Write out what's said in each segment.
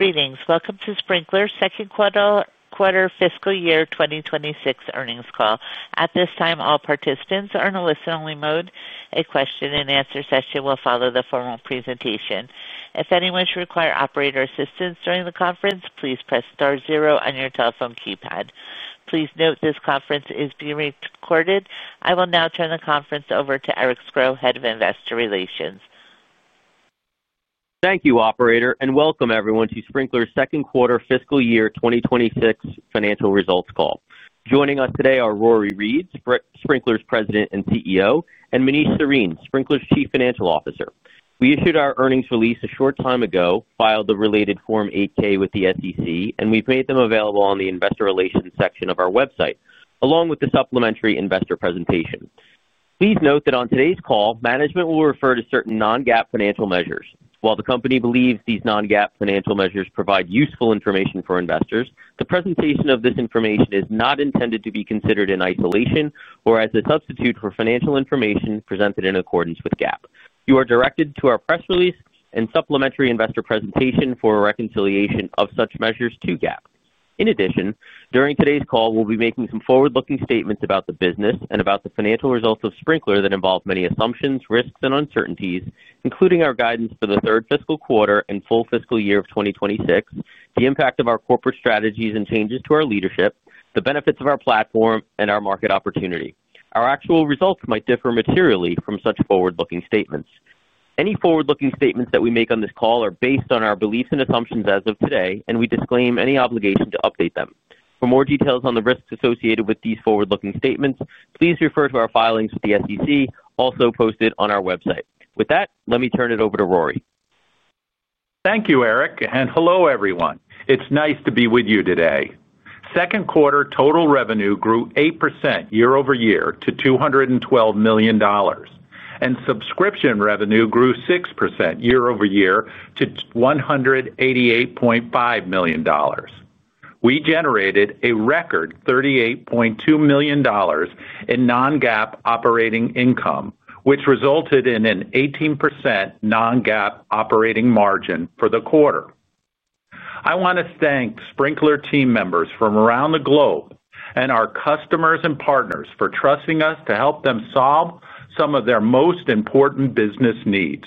Greetings. Welcome to Sprinklr's Second Quarter Fiscal Year 2026 Earnings Call. At this time, all participants are in a listen-only mode. A question and answer session will follow the formal presentation. If anyone should require operator assistance during the conference, please press star zero on your telephone keypad. Please note this conference is being recorded. I will now turn the conference over to Eric Scro, Head of Investor Relations. Thank you, operator, and welcome everyone to Sprinklr's Second Quarter Fiscal Year 2026 Financial Results Call. Joining us today are Rory Read, Sprinklr's President and CEO, and Manish Sarin, Sprinklr's Chief Financial Officer. We issued our earnings release a short time ago, filed the related Form 8-K with the SEC, and we've made them available on the Investor Relations section of our website, along with the supplementary investor presentation. Please note that on today's call, management will refer to certain non-GAAP financial measures. While the company believes these non-GAAP financial measures provide useful information for investors, the presentation of this information is not intended to be considered in isolation or as a substitute for financial information presented in accordance with GAAP. You are directed to our press release and supplementary investor presentation for a reconciliation of such measures to GAAP. In addition, during today's call, we'll be making some forward-looking statements about the business and about the financial results of Sprinklr that involve many assumptions, risks, and uncertainties, including our guidance for the third fiscal quarter and full fiscal year of 2026, the impact of our corporate strategies and changes to our leadership, the benefits of our platform, and our market opportunity. Our actual results might differ materially from such forward-looking statements. Any forward-looking statements that we make on this call are based on our beliefs and assumptions as of today, and we disclaim any obligation to update them. For more details on the risks associated with these forward-looking statements, please refer to our filings with the SEC, also posted on our website. With that, let me turn it over to Rory. Thank you, Eric, and hello everyone. It's nice to be with you today. Second quarter total revenue grew 8% year -over -year to $212 million, and subscription revenue grew 6% year -over -year to $188.5 million. We generated a record $38.2 million in non-GAAP operating income, which resulted in an 18% non-GAAP operating margin for the quarter. I want to thank Sprinklr team members from around the globe and our customers and partners for trusting us to help them solve some of their most important business needs.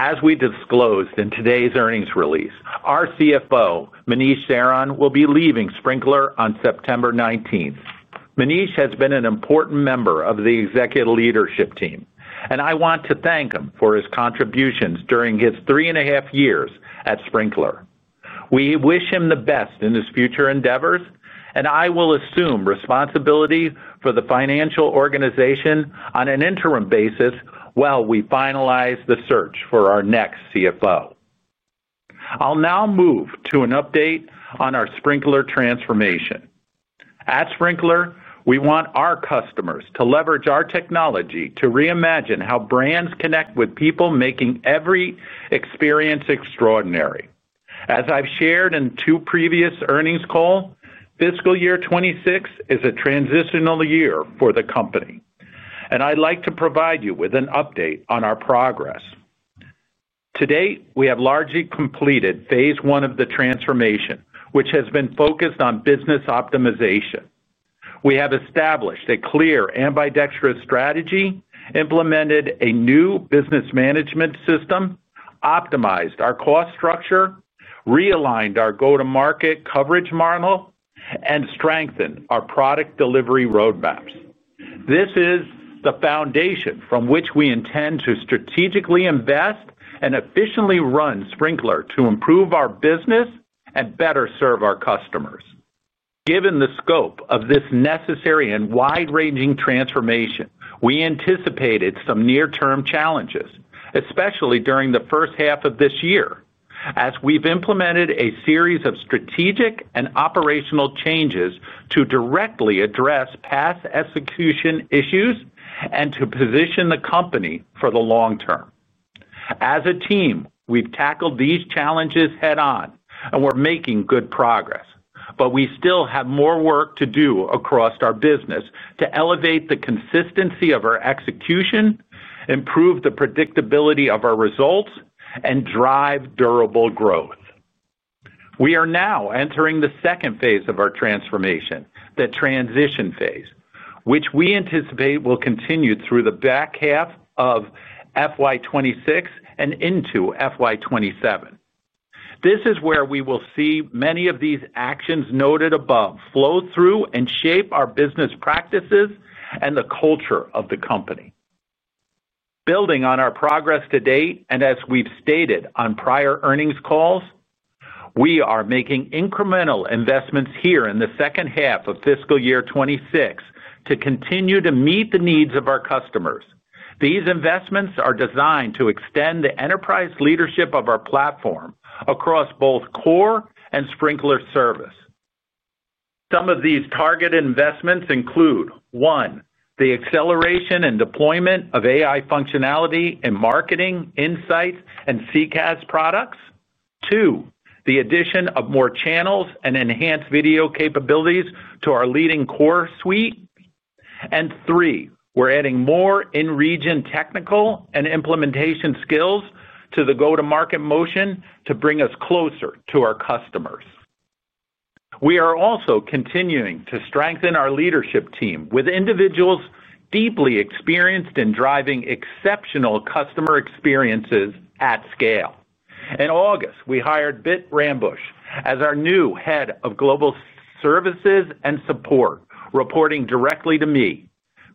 As we disclosed in today's earnings release, our CFO, Manish Sarin, will be leaving Sprinklr on September 19, 2024. Manish has been an important member of the executive leadership team, and I want to thank him for his contributions during his three and a half years at Sprinklr. We wish him the best in his future endeavors, and I will assume responsibility for the financial organization on an interim basis while we finalize the search for our next CFO. I'll now move to an update on our Sprinklr transformation. At Sprinklr, we want our customers to leverage our technology to reimagine how brands connect with people, making every experience extraordinary. As I've shared in two previous earnings calls, fiscal year 2026 is a transitional year for the company, and I'd like to provide you with an update on our progress. To date, we have largely completed phase one of the transformation, which has been focused on business optimization. We have established a clear ambidextrous strategy, implemented a new business management system, optimized our cost structure, realigned our go-to-market coverage model, and strengthened our product delivery roadmaps. This is the foundation from which we intend to strategically invest and efficiently run Sprinklr to improve our business and better serve our customers. Given the scope of this necessary and wide-ranging transformation, we anticipated some near-term challenges, especially during the first half of this year, as we've implemented a series of strategic and operational changes to directly address past execution issues and to position the company for the long term. As a team, we've tackled these challenges head-on, and we're making good progress, but we still have more work to do across our business to elevate the consistency of our execution, improve the predictability of our results, and drive durable growth. We are now entering the second phase of our transformation, the transition phase, which we anticipate will continue through the back half of FY26 and into FY27. This is where we will see many of these actions noted above flow through and shape our business practices and the culture of the company. Building on our progress to date, and as we've stated on prior earnings calls, we are making incremental investments here in the second half of fiscal year 2026 to continue to meet the needs of our customers. These investments are designed to extend the enterprise leadership of our platform across both core and Sprinklr Service. Some of these targeted investments include: one, the acceleration and deployment of AI functionality in marketing, insights, and CCaaS products; two, the addition of more channels and enhanced video capabilities to our leading core suite; and three, we're adding more in-region technical and implementation skills to the go-to-market motion to bring us closer to our customers. We are also continuing to strengthen our leadership team with individuals deeply experienced in driving exceptional customer experiences at scale. In August, we hired Bit Rambusch as our new Head of Global Services and Support, reporting directly to me.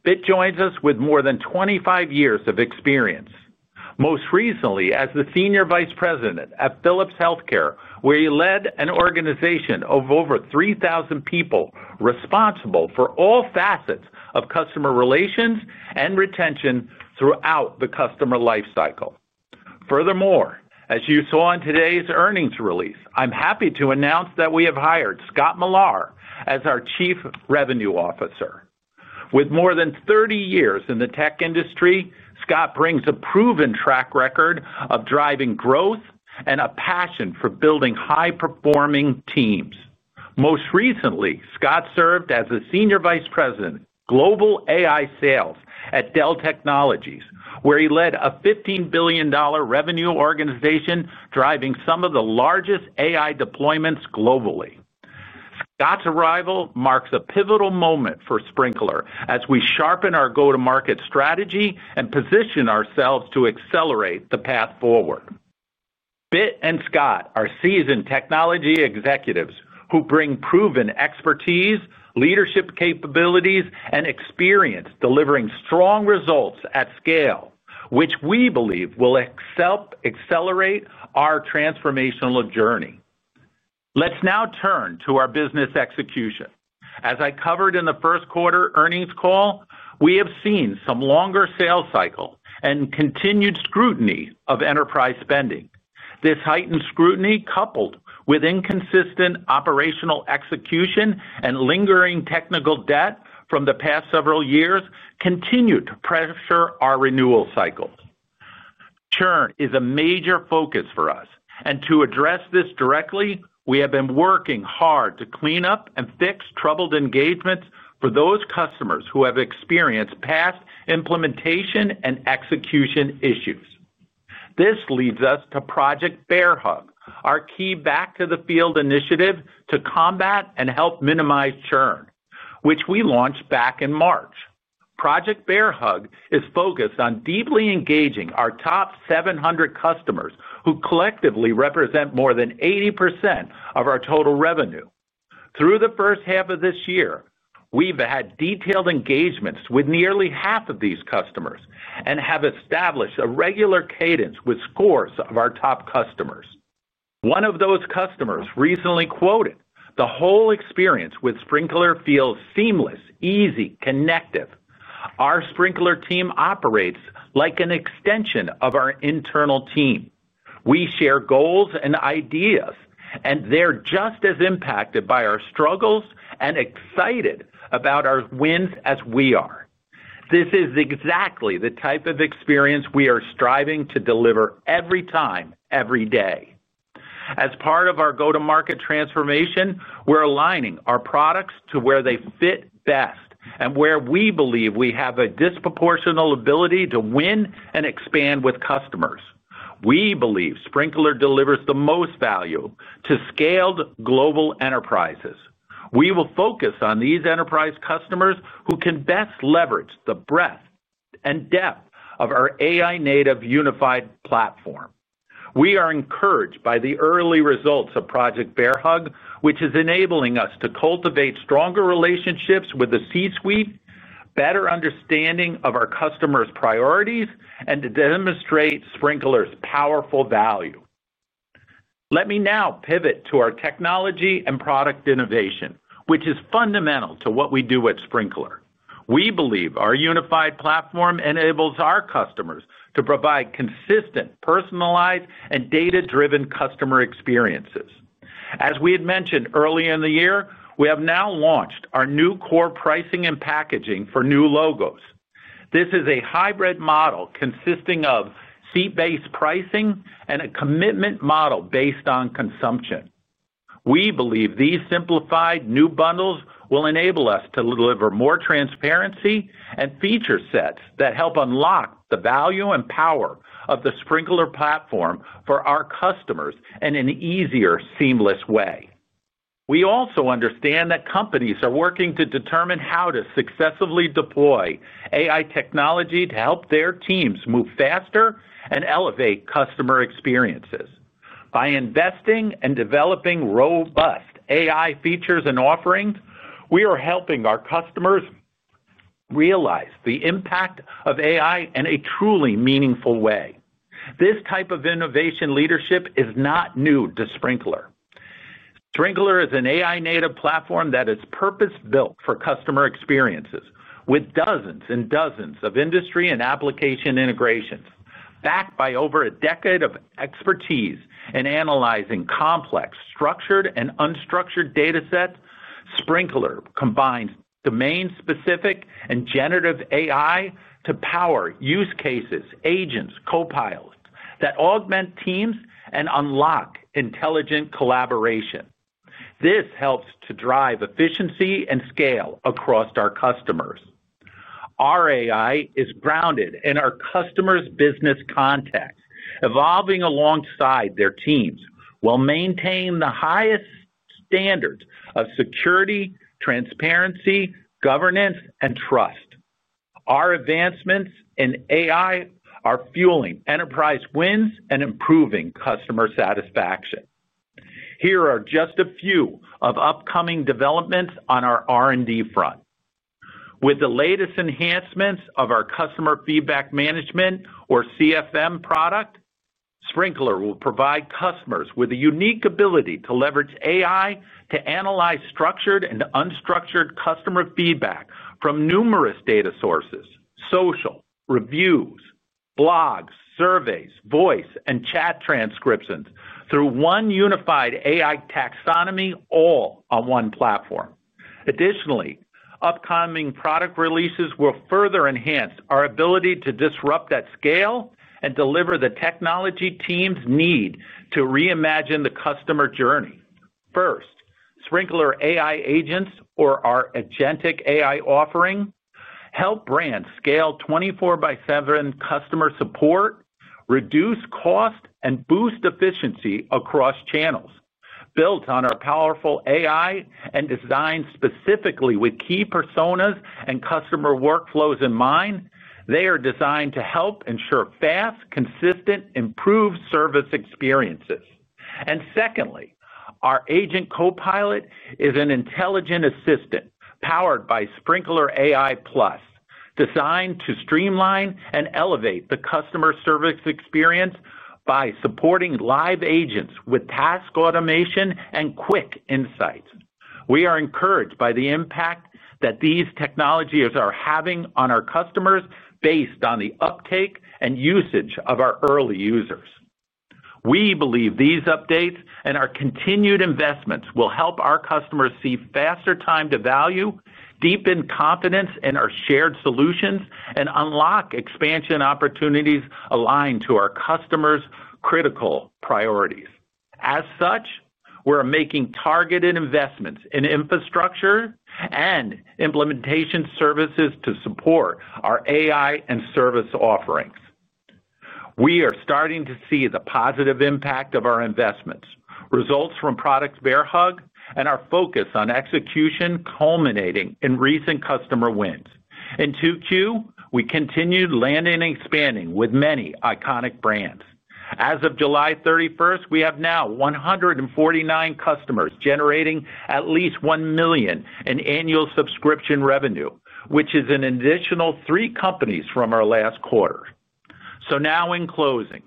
Bit joins us with more than 25 years of experience. Most recently, as the Senior Vice President at Philips Healthcare, where he led an organization of over 3,000 people responsible for all facets of customer relations and retention throughout the customer lifecycle. Furthermore, as you saw in today's earnings release, I'm happy to announce that we have hired Scott Millar as our Chief Revenue Officer. With more than 30 years in the tech industry, Scott brings a proven track record of driving growth and a passion for building high-performing teams. Most recently, Scott served as a Senior Vice President, Global AI Sales at Dell Technologies, where he led a $15 billion revenue organization, driving some of the largest AI deployments globally. Scott's arrival marks a pivotal moment for Sprinklr as we sharpen our go-to-market strategy and position ourselves to accelerate the path forward. Bit and Scott are seasoned technology executives who bring proven expertise, leadership capabilities, and experience delivering strong results at scale, which we believe will accelerate our transformational journey. Let's now turn to our business execution. As I covered in the first quarter earnings call, we have seen some longer sales cycles and continued scrutiny of enterprise spending. This heightened scrutiny, coupled with inconsistent operational execution and lingering technical debt from the past several years, continued to pressure our renewal cycles. Churn is a major focus for us, and to address this directly, we have been working hard to clean up and fix troubled engagements for those customers who have experienced past implementation and execution issues. This leads us to Project Bear Hug, our key back-to-the-field initiative to combat and help minimize churn, which we launched back in March. Project Bear Hug is focused on deeply engaging our top 700 customers who collectively represent more than 80% of our total revenue. Through the first half of this year, we've had detailed engagements with nearly half of these customers and have established a regular cadence with scores of our top customers. One of those customers recently quoted, "The whole experience with Sprinklr feels seamless, easy, connective. Our Sprinklr team operates like an extension of our internal team. We share goals and ideas, and they're just as impacted by our struggles and excited about our wins as we are." This is exactly the type of experience we are striving to deliver every time, every day. As part of our go-to-market transformation, we're aligning our products to where they fit best and where we believe we have a disproportional ability to win and expand with customers. We believe Sprinklr delivers the most value to scaled global enterprises. We will focus on these enterprise customers who can best leverage the breadth and depth of our AI-native unified platform. We are encouraged by the early results of Project BearHug, which is enabling us to cultivate stronger relationships with the C-suite, better understanding of our customers' priorities, and to demonstrate Sprinklr's powerful value. Let me now pivot to our technology and product innovation, which is fundamental to what we do at Sprinklr. We believe our unified platform enables our customers to provide consistent, personalized, and data-driven customer experiences. As we had mentioned earlier in the year, we have now launched our new core pricing and packaging for new logos. This is a hybrid model consisting of seat-based pricing and a commitment model based on consumption. We believe these simplified new bundles will enable us to deliver more transparency and feature sets that help unlock the value and power of the Sprinklr platform for our customers in an easier, seamless way. We also understand that companies are working to determine how to successively deploy AI technology to help their teams move faster and elevate customer experiences. By investing and developing robust AI features and offerings, we are helping our customers realize the impact of AI in a truly meaningful way. This type of innovation leadership is not new to Sprinklr. Sprinklr is an AI-native platform that is purpose-built for customer experiences, with dozens and dozens of industry and application integrations. Backed by over a decade of expertise in analyzing complex, structured, and unstructured datasets, Sprinklr combines domain-specific and generative AI to power use cases, agents, and copilots that augment teams and unlock intelligent collaboration. This helps to drive efficiency and scale across our customers. Our AI is grounded in our customers' business context, evolving alongside their teams while maintaining the highest standards of security, transparency, governance, and trust. Our advancements in AI are fueling enterprise wins and improving customer satisfaction. Here are just a few of upcoming developments on our R&D front. With the latest enhancements of our Customer Feedback Management, or CFM, product, Sprinklr will provide customers with a unique ability to leverage AI to analyze structured and unstructured customer feedback from numerous data sources, social, reviews, blogs, surveys, voice, and chat transcriptions through one unified AI taxonomy, all on one platform. Additionally, upcoming product releases will further enhance our ability to disrupt at scale and deliver the technology teams need to reimagine the customer journey. First, Sprinklr AI Agents, or our Agentic AI offering, help brands scale 24/7 customer support, reduce cost, and boost efficiency across channels. Built on our powerful AI and designed specifically with key personas and customer workflows in mind, they are designed to help ensure fast, consistent, and improved service experiences. Our Agent Copilot is an intelligent assistant powered by Sprinklr AI+, designed to streamline and elevate the customer service experience by supporting live agents with task automation and quick insights. We are encouraged by the impact that these technologies are having on our customers based on the uptake and usage of our early users. We believe these updates and our continued investments will help our customers see faster time-to-value, deepen confidence in our shared solutions, and unlock expansion opportunities aligned to our customers' critical priorities. As such, we're making targeted investments in infrastructure and implementation services to support our AI and service offerings. We are starting to see the positive impact of our investments, results from Project BearHug, and our focus on execution culminating in recent customer wins. In Q2, we continued landing and expanding with many iconic brands. As of July 31, we have now 149 customers generating at least $1 million in annual subscription revenue, which is an additional three companies from our last quarter. In closing,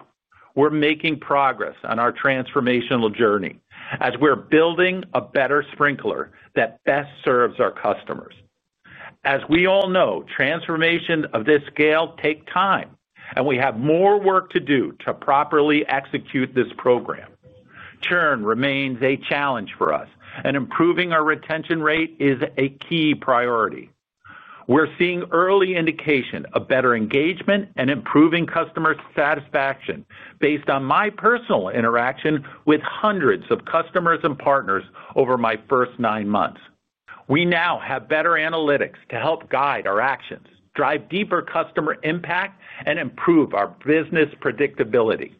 we're making progress on our transformational journey as we're building a better Sprinklr that best serves our customers. As we all know, transformations of this scale take time, and we have more work to do to properly execute this program. Churn remains a challenge for us, and improving our retention rate is a key priority. We're seeing early indications of better engagement and improving customer satisfaction based on my personal interaction with hundreds of customers and partners over my first nine months. We now have better analytics to help guide our actions, drive deeper customer impact, and improve our business predictability.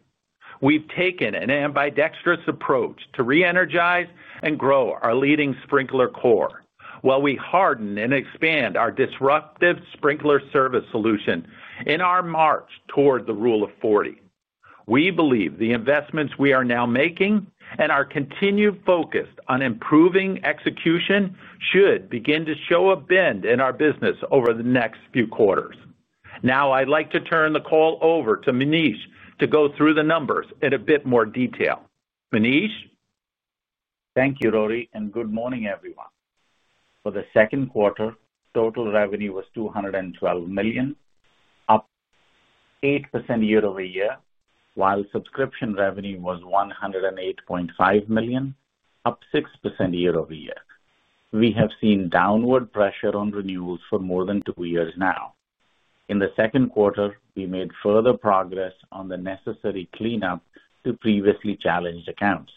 We've taken an ambidextrous approach to re-energize and grow our leading Sprinklr core while we harden and expand our disruptive Sprinklr Service solution in our march toward the Rule of 40. We believe the investments we are now making and our continued focus on improving execution should begin to show a bend in our business over the next few quarters. Now, I'd like to turn the call over to Manish to go through the numbers in a bit more detail. Manish? Thank you, Rory, and good morning, everyone. For the second quarter, total revenue was $212 million, up 8% year -over -year, while subscription revenue was $108.5 million, up 6% year -over -year. We have seen downward pressure on renewals for more than two years now. In the second quarter, we made further progress on the necessary cleanup to previously challenged accounts.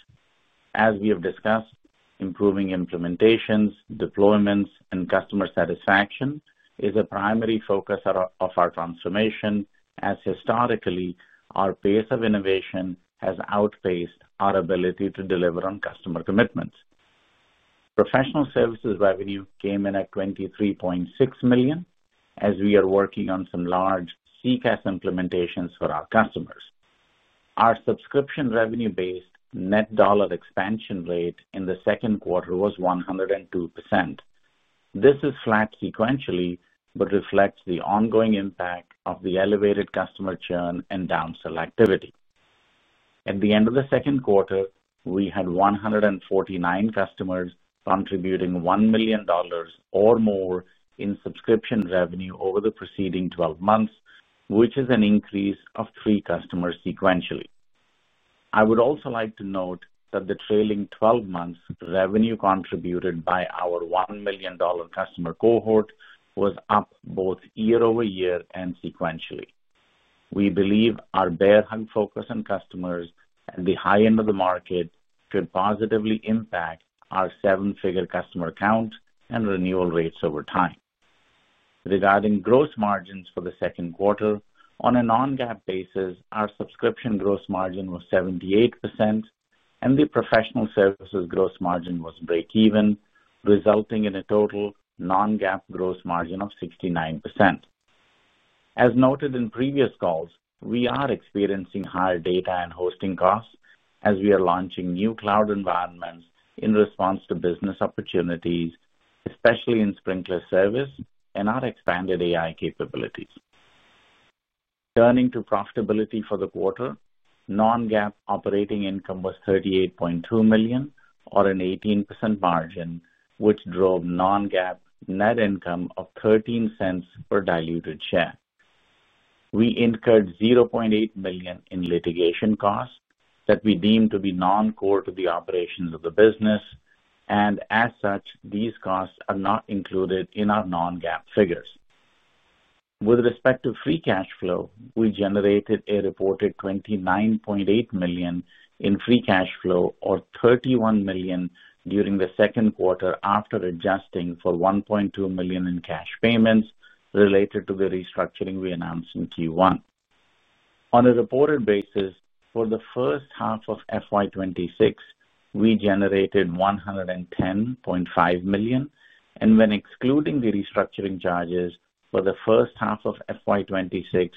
As we have discussed, improving implementations, deployments, and customer satisfaction is a primary focus of our transformation, as historically, our pace of innovation has outpaced our ability to deliver on customer commitments. Professional services revenue came in at $23.6 million, as we are working on some large CCaaS implementations for our customers. Our subscription revenue-based net dollar expansion rate in the second quarter was 102%. This is flat sequentially, but reflects the ongoing impact of the elevated customer churn and downsell activity. At the end of the second quarter, we had 149 customers contributing $1 million or more in subscription revenue over the preceding 12 months, which is an increase of three customers sequentially. I would also like to note that the trailing 12 months revenue contributed by our $1 million customer cohort was up both year over year and sequentially. We believe our Bear Hug focus on customers at the high end of the market could positively impact our seven-figure customer count and renewal rates over time. Regarding gross margins for the second quarter, on a non-GAAP basis, our subscription gross margin was 78%, and the professional services gross margin was break-even, resulting in a total non-GAAP gross margin of 69%. As noted in previous calls, we are experiencing higher data and hosting costs as we are launching new cloud environments in response to business opportunities, especially in Sprinklr Service and our expanded AI capabilities. Turning to profitability for the quarter, non-GAAP operating income was $38.2 million, or an 18% margin, which drove non-GAAP net income of $0.13 per diluted share. We incurred $0.8 million in litigation costs that we deem to be non-core to the operations of the business, and as such, these costs are not included in our non-GAAP figures. With respect to free cash flow, we generated a reported $29.8 million in free cash flow, or $31 million during the second quarter after adjusting for $1.2 million in cash payments related to the restructuring we announced in Q1. On a reported basis, for the first half of FY26, we generated $110.5 million, and when excluding the restructuring charges for the first half of FY26,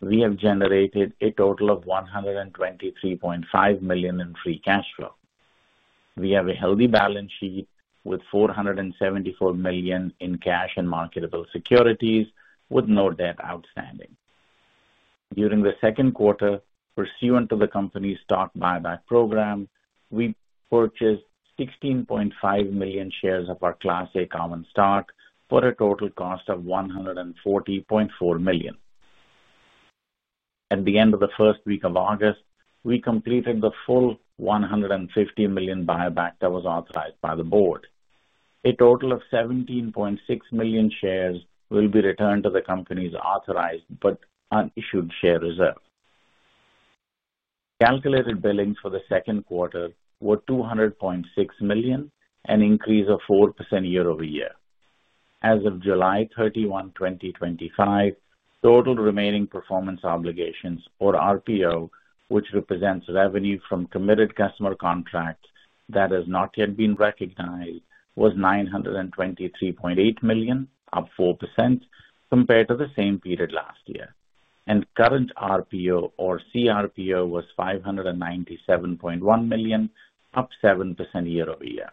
we have generated a total of $123.5 million in free cash flow. We have a healthy balance sheet with $474 million in cash and marketable securities, with no debt outstanding. During the second quarter, pursuant to the company's stock buyback program, we purchased 16.5 million shares of our Class A common stock for a total cost of $140.4 million. At the end of the first week of August, we completed the full $150 million buyback that was authorized by the board. A total of 17.6 million shares will be returned to the company's authorized but unissued share reserve. Calculated billings for the second quarter were $200.6 million, an increase of 4% year -over -year. As of July 31, 2025, total remaining performance obligations, or RPO, which represents revenue from committed customer contracts that have not yet been recognized, was $923.8 million, up 4% compared to the same period last year. Current RPO, or CRPO, was $597.1 million, up 7% year -over -year.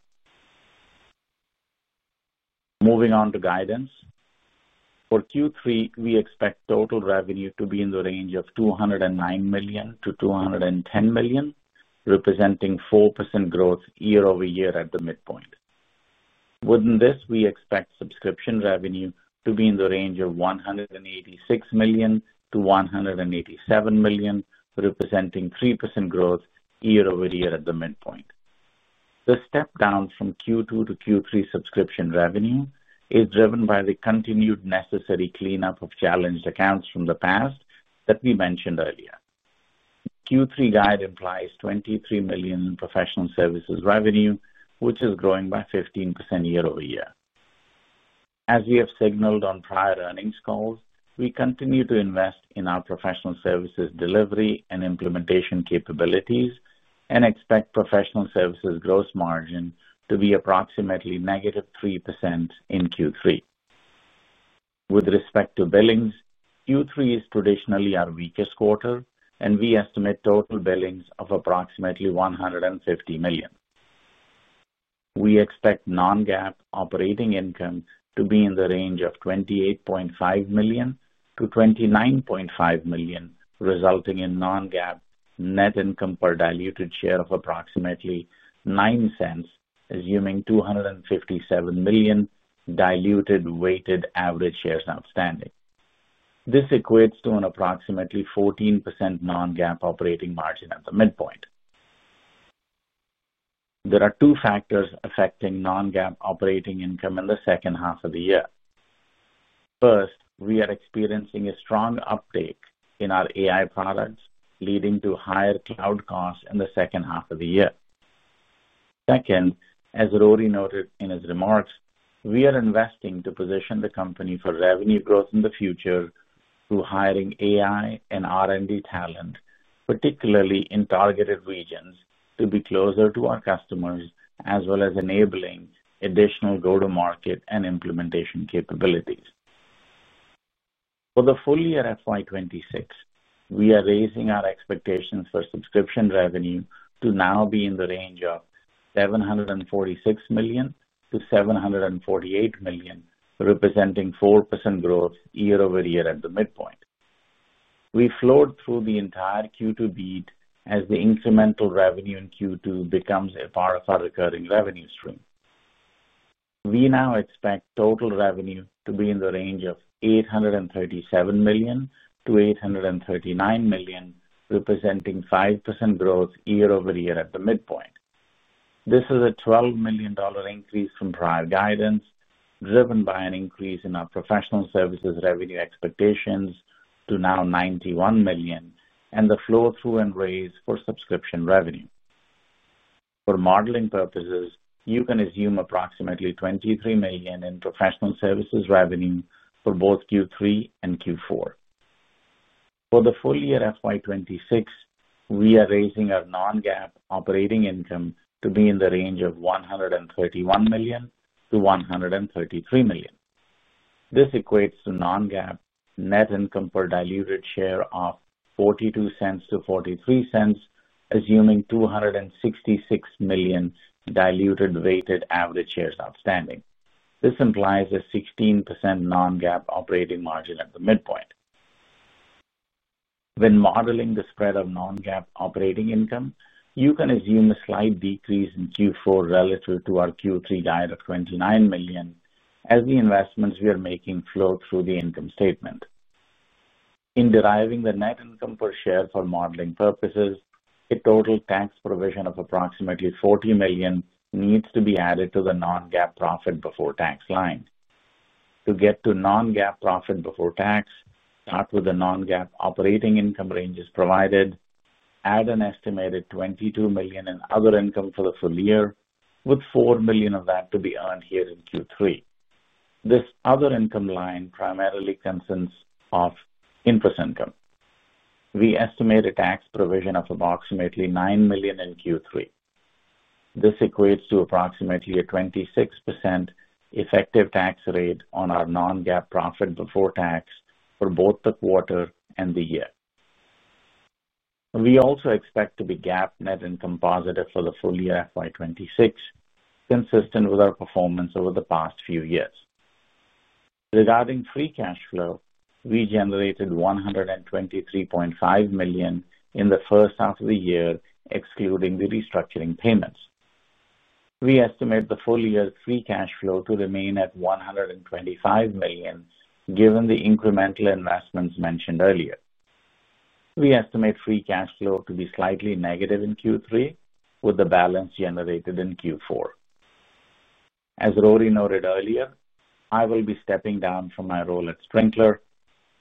Moving on to guidance. For Q3, we expect total revenue to be in the range of $209 million- $210 million, representing 4% growth year -over -year at the midpoint. Within this, we expect subscription revenue to be in the range of $186 million- $187 million, representing 3% growth year -over -year at the midpoint. The step down from Q2 to Q3 subscription revenue is driven by the continued necessary cleanup of challenged accounts from the past that we mentioned earlier. Q3 guide implies $23 million in professional services revenue, which is growing by 15% year -over -year. As we have signaled on prior earnings calls, we continue to invest in our professional services delivery and implementation capabilities and expect professional services gross margin to be approximately -3% in Q3. With respect to billings, Q3 is traditionally our weakest quarter, and we estimate total billings of approximately $150 million. We expect non-GAAP operating income to be in the range of $28.5 million- $29.5 million, resulting in non-GAAP net income per diluted share of approximately $0.09, assuming 257 million diluted weighted average shares outstanding. This equates to an approximately 14% non-GAAP operating margin at the midpoint. There are two factors affecting non-GAAP operating income in the second half of the year. First, we are experiencing a strong uptake in our AI products, leading to higher cloud costs in the second half of the year. Second, as Rory noted in his remarks, we are investing to position the company for revenue growth in the future through hiring AI and R&D talent, particularly in targeted regions, to be closer to our customers, as well as enabling additional go-to-market and implementation capabilities. For the full year FY26, we are raising our expectations for subscription revenue to now be in the range of $746 million- $748 million, representing 4% growth year -over -year at the midpoint. We flowed through the entire Q2 beat as the incremental revenue in Q2 becomes a part of our recurring revenue stream. We now expect total revenue to be in the range of $837 million- $839 million, representing 5% growth year -over -year at the midpoint. This is a $12 million increase from prior guidance, driven by an increase in our professional services revenue expectations to now $91 million and the flow-through and raise for subscription revenue. For modeling purposes, you can assume approximately $23 million in professional services revenue for both Q3 and Q4. For the full year FY26, we are raising our non-GAAP operating income to be in the range of $131 million- $133 million. This equates to non-GAAP net income per diluted share of $0.42- $0.43, assuming 266 million diluted weighted average shares outstanding. This implies a 16% non-GAAP operating margin at the midpoint. When modeling the spread of non-GAAP operating income, you can assume a slight decrease in Q4 relative to our Q3 guide of $29 million, as the investments we are making flow through the income statement. In deriving the net income per share for modeling purposes, a total tax provision of approximately $40 million needs to be added to the non-GAAP profit before tax line. To get to non-GAAP profit before tax, start with the non-GAAP operating income ranges provided, add an estimated $22 million in other income for the full year, with $4 million of that to be earned here in Q3. This other income line primarily consists of interest income. We estimate a tax provision of approximately $9 million in Q3. This equates to approximately a 26% effective tax rate on our non-GAAP profit before tax for both the quarter and the year. We also expect to be GAAP net income positive for the full year FY26, consistent with our performance over the past few years. Regarding free cash flow, we generated $123.5 million in the first half of the year, excluding the restructuring payments. We estimate the full year's free cash flow to remain at $125 million, given the incremental investments mentioned earlier. We estimate free cash flow to be slightly negative in Q3, with the balance generated in Q4. As Rory noted earlier, I will be stepping down from my role at Sprinklr.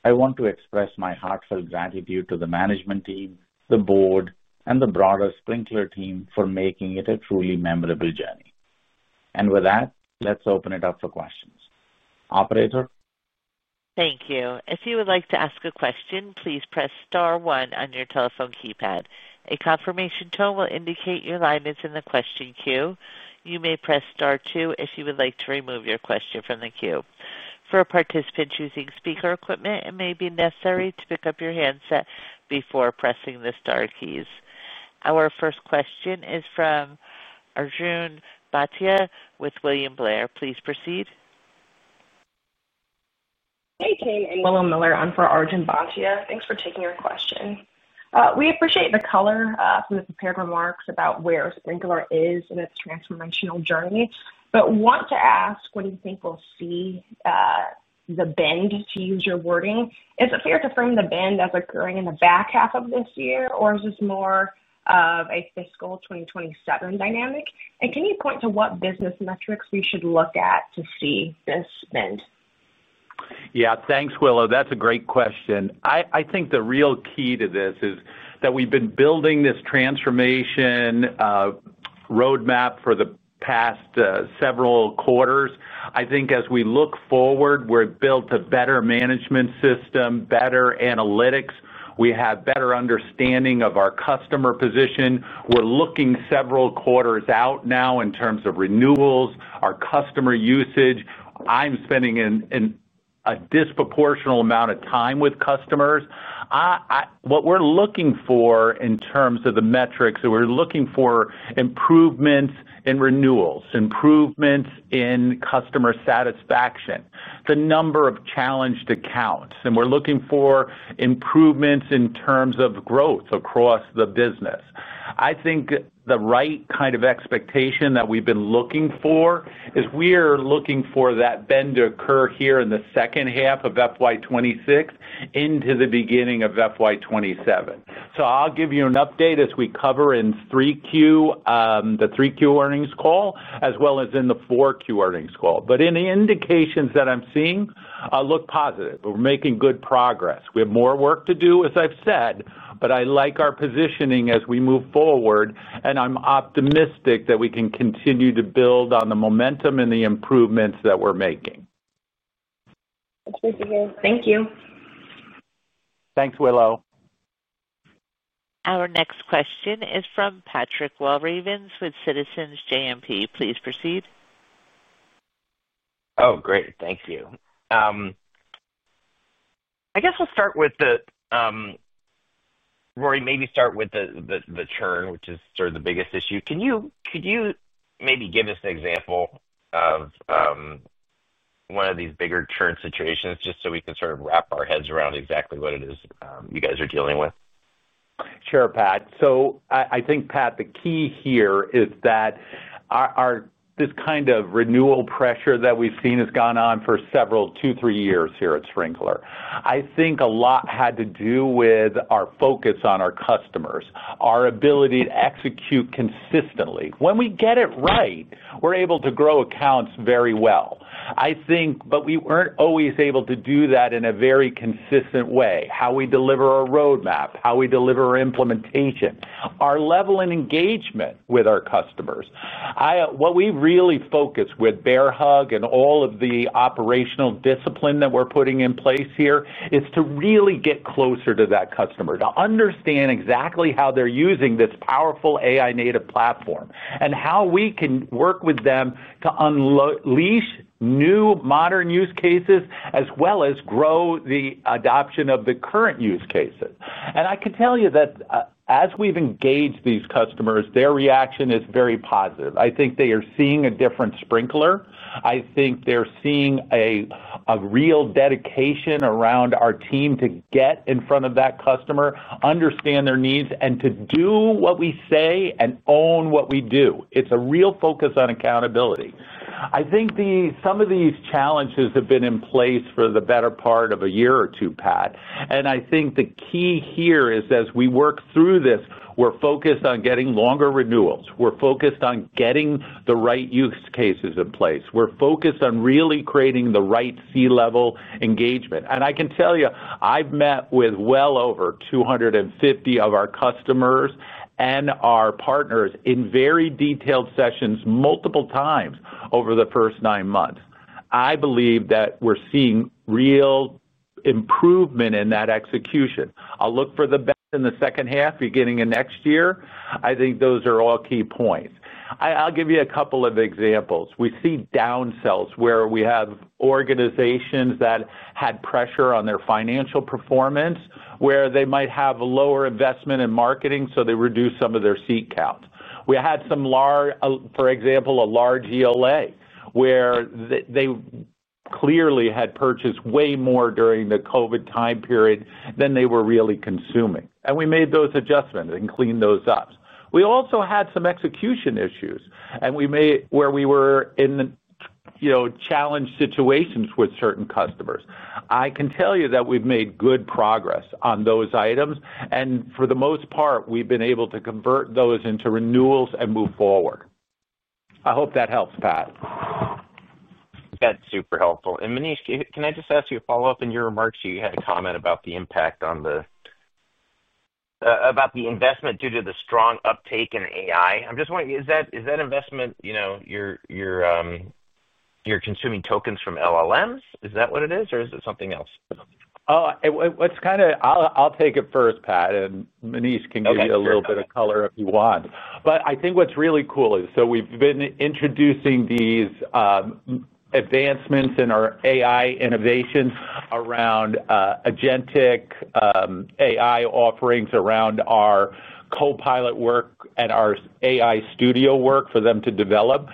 I want to express my heartfelt gratitude to the management team, the board, and the broader Sprinklr team for making it a truly memorable journey. Let's open it up for questions. Operator? Thank you. If you would like to ask a question, please press star one on your telephone keypad. A confirmation tone will indicate your line is in the question queue. You may press star two if you would like to remove your question from the queue. For a participant using speaker equipment, it may be necessary to pick up your handset before pressing the star keys. Our first question is from Arjun Bhatia with William Blair. Please proceed. Hey, Jane, I'm Willow Miller, I'm in for Arjun Bhatia. Thanks for taking your question. We appreciate the color of the prepared remarks about where Sprinklr is in its transformational journey, but want to ask, what do you think we'll see, the bend, to use your wording? Is it fair to frame the bend as occurring in the back half of this year, or is this more of a fiscal 2027 dynamic? Can you point to what business metrics we should look at to see this bend? Yeah, thanks, Willow. That's a great question. I think the real key to this is that we've been building this transformation roadmap for the past several quarters. I think as we look forward, we've built a better management system, better analytics. We have a better understanding of our customer position. We're looking several quarters out now in terms of renewals, our customer usage. I'm spending a disproportional amount of time with customers. What we're looking for in terms of the metrics, we're looking for improvements in renewals, improvements in customer satisfaction, the number of challenged accounts, and we're looking for improvements in terms of growth across the business. I think the right kind of expectation that we've been looking for is we are looking for that bend to occur here in the second half of FY26 into the beginning of FY27. I'll give you an update as we cover in Q3, the Q3 earnings call, as well as in the Q4 Earnings Call. Any indications that I'm seeing look positive. We're making good progress. We have more work to do, as I've said, but I like our positioning as we move forward, and I'm optimistic that we can continue to build on the momentum and the improvements that we're making. That's great to hear. Thank you. Thanks, Willow. Our next question is from Patrick Walravens with Citizens JMP. Please proceed. Oh, great. Thank you. I guess I'll start with the, Rory, maybe start with the churn, which is sort of the biggest issue. Can you, could you maybe give us an example of one of these bigger churn situations just so we can sort of wrap our heads around exactly what it is you guys are dealing with? Sure, Pat. I think the key here is that this kind of renewal pressure that we've seen has gone on for several, two, three years here at Sprinklr. I think a lot had to do with our focus on our customers, our ability to execute consistently. When we get it right, we're able to grow accounts very well, but we weren't always able to do that in a very consistent way. How we deliver our roadmap, how we deliver our implementation, our level and engagement with our customers. What we really focus with Project Bear Hug and all of the operational discipline that we're putting in place here is to really get closer to that customer, to understand exactly how they're using this powerful AI-native platform and how we can work with them to unleash new modern use cases as well as grow the adoption of the current use cases. I can tell you that as we've engaged these customers, their reaction is very positive. I think they are seeing a different Sprinklr. I think they're seeing a real dedication around our team to get in front of that customer, understand their needs, and to do what we say and own what we do. It's a real focus on accountability. I think some of these challenges have been in place for the better part of a year or two, Pat. I think the key here is as we work through this, we're focused on getting longer renewals. We're focused on getting the right use cases in place. We're focused on really creating the right C-level engagement. I can tell you, I've met with well over 250 of our customers and our partners in very detailed sessions multiple times over the first nine months. I believe that we're seeing real improvement in that execution. I'll look for the best in the second half, beginning of next year. I think those are all key points. I'll give you a couple of examples. We see downsells where we have organizations that had pressure on their financial performance, where they might have a lower investment in marketing, so they reduce some of their seat counts. We had, for example, a large ELA where they clearly had purchased way more during the COVID time period than they were really consuming. We made those adjustments and cleaned those up. We also had some execution issues and we made where we were in challenged situations with certain customers. I can tell you that we've made good progress on those items. For the most part, we've been able to convert those into renewals and move forward. I hope that helps, Pat. That's super helpful. Manish, can I just ask you a follow-up? In your remarks, you had a comment about the impact on the investment due to the strong uptake in AI. I'm just wondering, is that investment, you know, you're consuming tokens from LLMs? Is that what it is, or is it something else? Oh, it's kind of, I'll take it first, Pat, and Manish can give you a little bit of color if you want. I think what's really cool is, we've been introducing these advancements in our AI innovations around Agentic AI offerings, around our copilot work and our AI studio work for them to develop.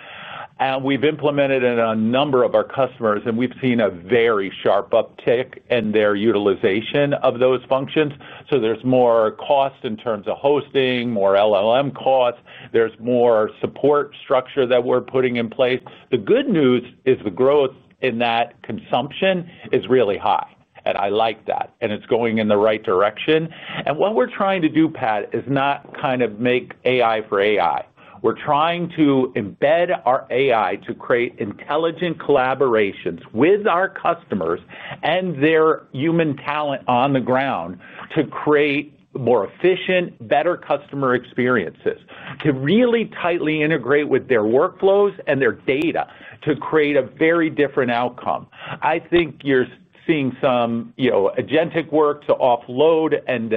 We've implemented it in a number of our customers, and we've seen a very sharp uptick in their utilization of those functions. There's more cost in terms of hosting, more LLM costs. There's more support structure that we're putting in place. The good news is the growth in that consumption is really high. I like that. It's going in the right direction. What we're trying to do, Pat, is not kind of make AI for AI. We're trying to embed our AI to create intelligent collaborations with our customers and their human talent on the ground to create more efficient, better customer experiences, to really tightly integrate with their workflows and their data to create a very different outcome. I think you're seeing some Agentic work to offload and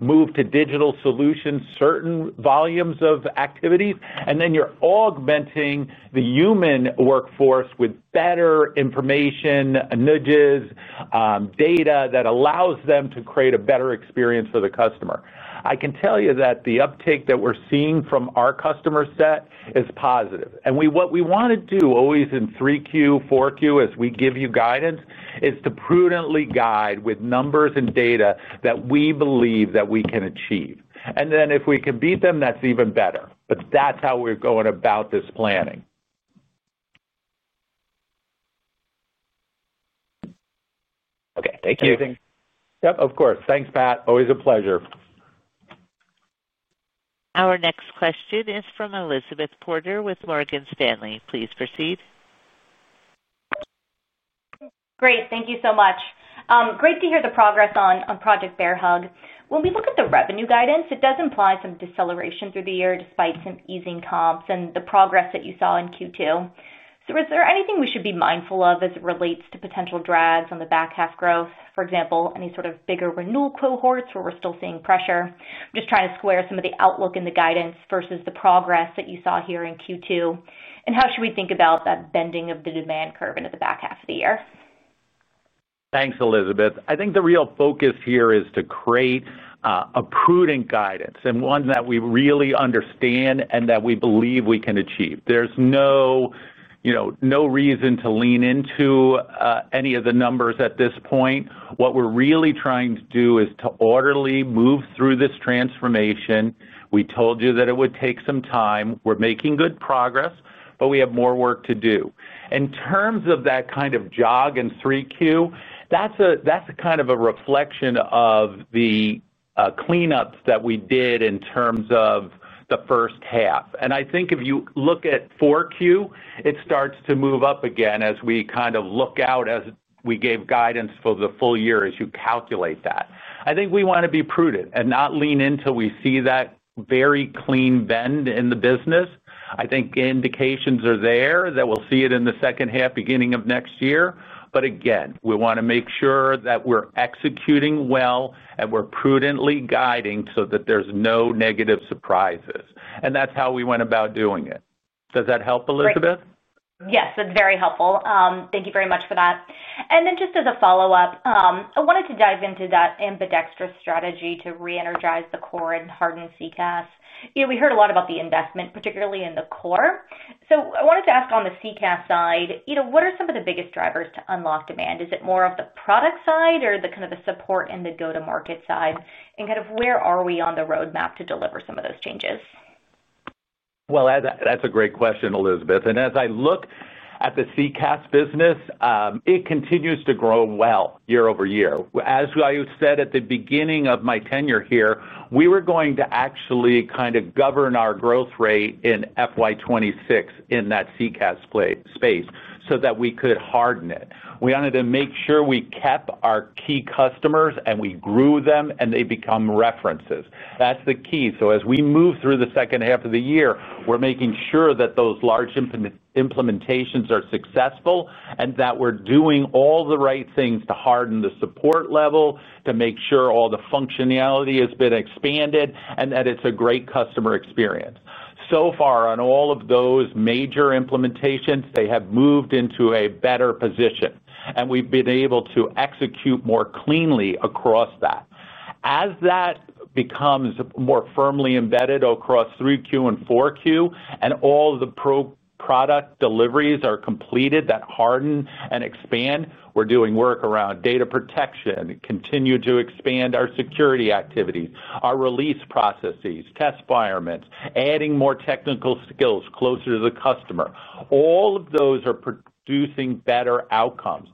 move to digital solutions, certain volumes of activities, and then you're augmenting the human workforce with better information, nudges, data that allows them to create a better experience for the customer. I can tell you that the uptake that we're seeing from our customer set is positive. What we want to do always in 3Q, 4Q, as we give you guidance, is to prudently guide with numbers and data that we believe that we can achieve. If we can beat them, that's even better. That's how we're going about this planning. Okay, thank you. Yep. Of course. Thanks, Pat. Always a pleasure. Our next question is from Elizabeth Porter with Morgan Stanley. Please proceed. Great. Thank you so much. Great to hear the progress on Project Bear Hug. When we look at the revenue guidance, it does imply some deceleration through the year despite some easing comps and the progress that you saw in Q2. Is there anything we should be mindful of as it relates to potential drags on the back half growth? For example, any sort of bigger renewal cohorts where we're still seeing pressure? I'm just trying to square some of the outlook in the guidance versus the progress that you saw here in Q2. How should we think about that bending of the demand curve into the back half of the year? Thanks, Elizabeth. I think the real focus here is to create a prudent guidance and one that we really understand and that we believe we can achieve. There's no reason to lean into any of the numbers at this point. What we're really trying to do is to orderly move through this transformation. We told you that it would take some time. We're making good progress, but we have more work to do. In terms of that kind of jog in 3Q, that's a kind of a reflection of the cleanups that we did in terms of the first half. I think if you look at 4Q, it starts to move up again as we kind of look out as we gave guidance for the full year as you calculate that. I think we want to be prudent and not lean until we see that very clean bend in the business. I think indications are there that we'll see it in the second half, beginning of next year. We want to make sure that we're executing well and we're prudently guiding so that there's no negative surprises. That's how we went about doing it. Does that help, Elizabeth? Yes, that's very helpful. Thank you very much for that. Just as a follow-up, I wanted to dive into that ambidextrous strategy to re-energize the core and harden CCaaS. You know, we heard a lot about the investment, particularly in the core. I wanted to ask on the CCaaS side, what are some of the biggest drivers to unlock demand? Is it more of the product side or the kind of the support and the go-to-market side? Where are we on the roadmap to deliver some of those changes? That's a great question, Elizabeth. As I look at the CCaaS business, it continues to grow well year over year. As I said at the beginning of my tenure here, we were going to actually kind of govern our growth rate in FY26 in that CCaaS space so that we could harden it. We wanted to make sure we kept our key customers and we grew them and they become references. That's the key. As we move through the second half of the year, we're making sure that those large implementations are successful and that we're doing all the right things to harden the support level, to make sure all the functionality has been expanded, and that it's a great customer experience. So far, on all of those major implementations, they have moved into a better position. We've been able to execute more cleanly across that. As that becomes more firmly embedded across 3Q and 4Q and all the product deliveries are completed that harden and expand, we're doing work around data protection, continue to expand our security activities, our release processes, test environments, adding more technical skills closer to the customer. All of those are producing better outcomes.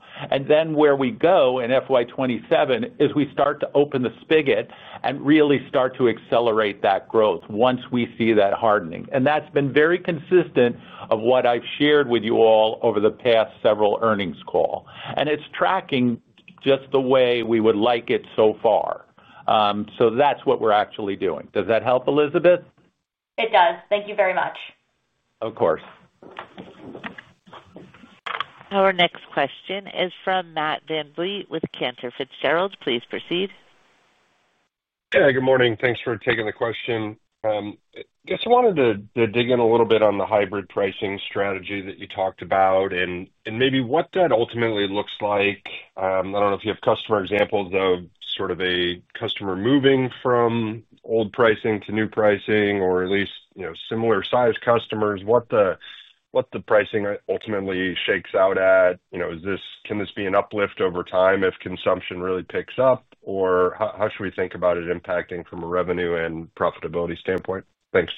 Where we go in FY27 is we start to open the spigot and really start to accelerate that growth once we see that hardening. That's been very consistent of what I've shared with you all over the past several earnings calls. It's tracking just the way we would like it so far. That's what we're actually doing. Does that help, Elizabeth? It does. Thank you very much. Of course. Our next question is from Matt Dembley with Cantor Fitzgerald. Please proceed. Good morning. Thanks for taking the question. I wanted to dig in a little bit on the hybrid pricing model that you talked about and maybe what that ultimately looks like. I don't know if you have customer examples of a customer moving from old pricing to new pricing or at least, you know, similar-sized customers. What the pricing ultimately shakes out at, you know, is this, can this be an uplift over time if consumption really picks up or how should we think about it impacting from a revenue and profitability standpoint? Thanks.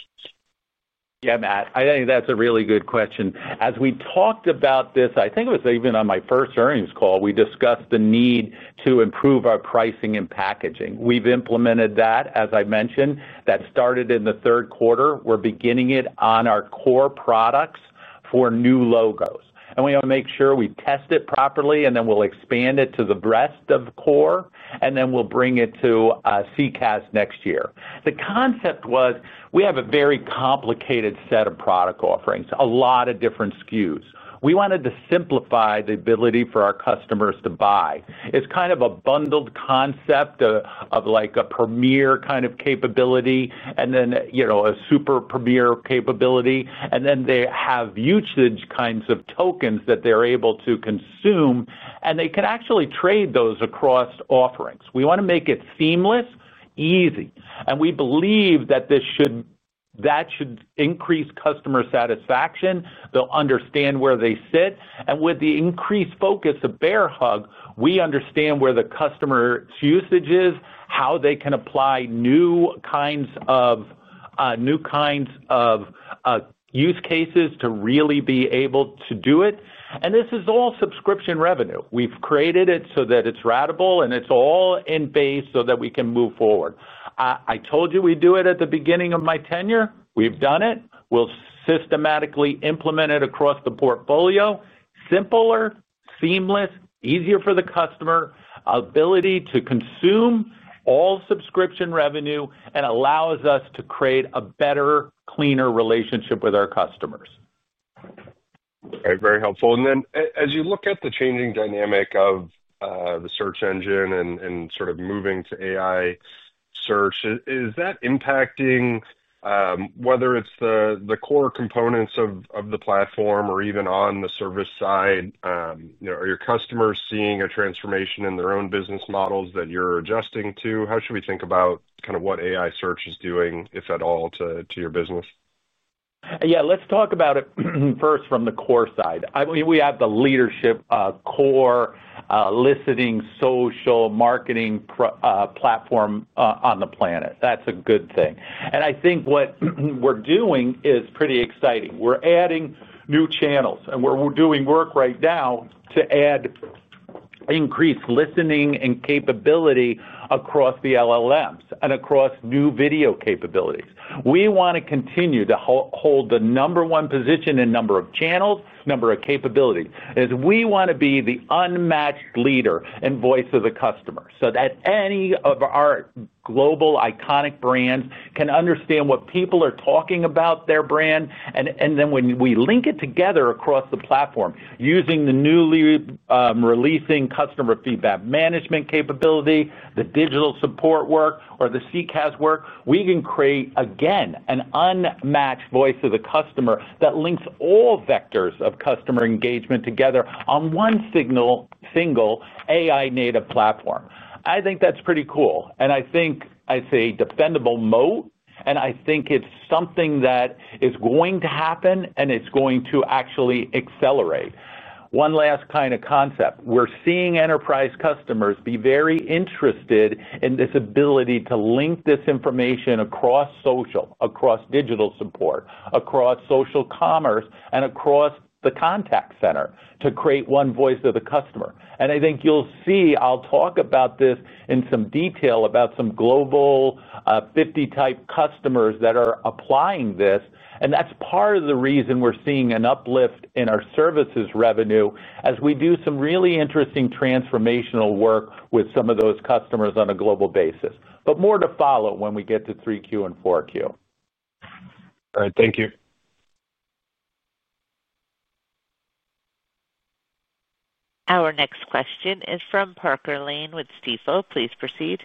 Yeah, Matt. I think that's a really good question. As we talked about this, I think it was even on my first earnings call, we discussed the need to improve our pricing and packaging. We've implemented that, as I mentioned, that started in the third quarter. We're beginning it on our core products for new logos. We want to make sure we test it properly and then we'll expand it to the rest of core and then we'll bring it to CCaaS next year. The concept was we have a very complicated set of product offerings, a lot of different SKUs. We wanted to simplify the ability for our customers to buy. It's kind of a bundled concept of like a premier kind of capability and then, you know, a super premier capability. They have usage kinds of tokens that they're able to consume and they can actually trade those across offerings. We want to make it seamless, easy. We believe that this should increase customer satisfaction. They'll understand where they sit. With the increased focus of Project Bear Hug, we understand where the customer's usage is, how they can apply new kinds of use cases to really be able to do it. This is all subscription revenue. We've created it so that it's ratable and it's all in base so that we can move forward. I told you we'd do it at the beginning of my tenure. We've done it. We'll systematically implement it across the portfolio. Simpler, seamless, easier for the customer, ability to consume all subscription revenue and allows us to create a better, cleaner relationship with our customers. Okay, very helpful. As you look at the changing dynamic of the search engine and sort of moving to AI search, is that impacting whether it's the core components of the platform or even on the service side? Are your customers seeing a transformation in their own business models that you're adjusting to? How should we think about kind of what AI search is doing, if at all, to your business? Yeah, let's talk about it first from the core side. We have the leadership, core, listening, social, marketing platform on the planet. That's a good thing. I think what we're doing is pretty exciting. We're adding new channels, and we're doing work right now to add increased listening and capability across the LLMs and across new video capabilities. We want to continue to hold the number one position in number of channels, number of capabilities, as we want to be the unmatched leader and voice of the customer, so that any of our global iconic brands can understand what people are talking about their brand. When we link it together across the platform, using the newly releasing customer feedback management capability, the digital support work, or the CCaaS work, we can create, again, an unmatched voice of the customer that links all vectors of customer engagement together on one single AI-native platform. I think that's pretty cool, and I think it's a dependable moat. I think it's something that is going to happen, and it's going to actually accelerate. One last kind of concept. We're seeing enterprise customers be very interested in this ability to link this information across social, across digital support, across social commerce, and across the contact center to create one voice of the customer. I think you'll see, I'll talk about this in some detail about some global 50-type customers that are applying this. That's part of the reason we're seeing an uplift in our services revenue as we do some really interesting transformational work with some of those customers on a global basis. More to follow when we get to 3Q and 4Q. All right, thank you. Our next question is from Parker Lane with Stifel. Please proceed.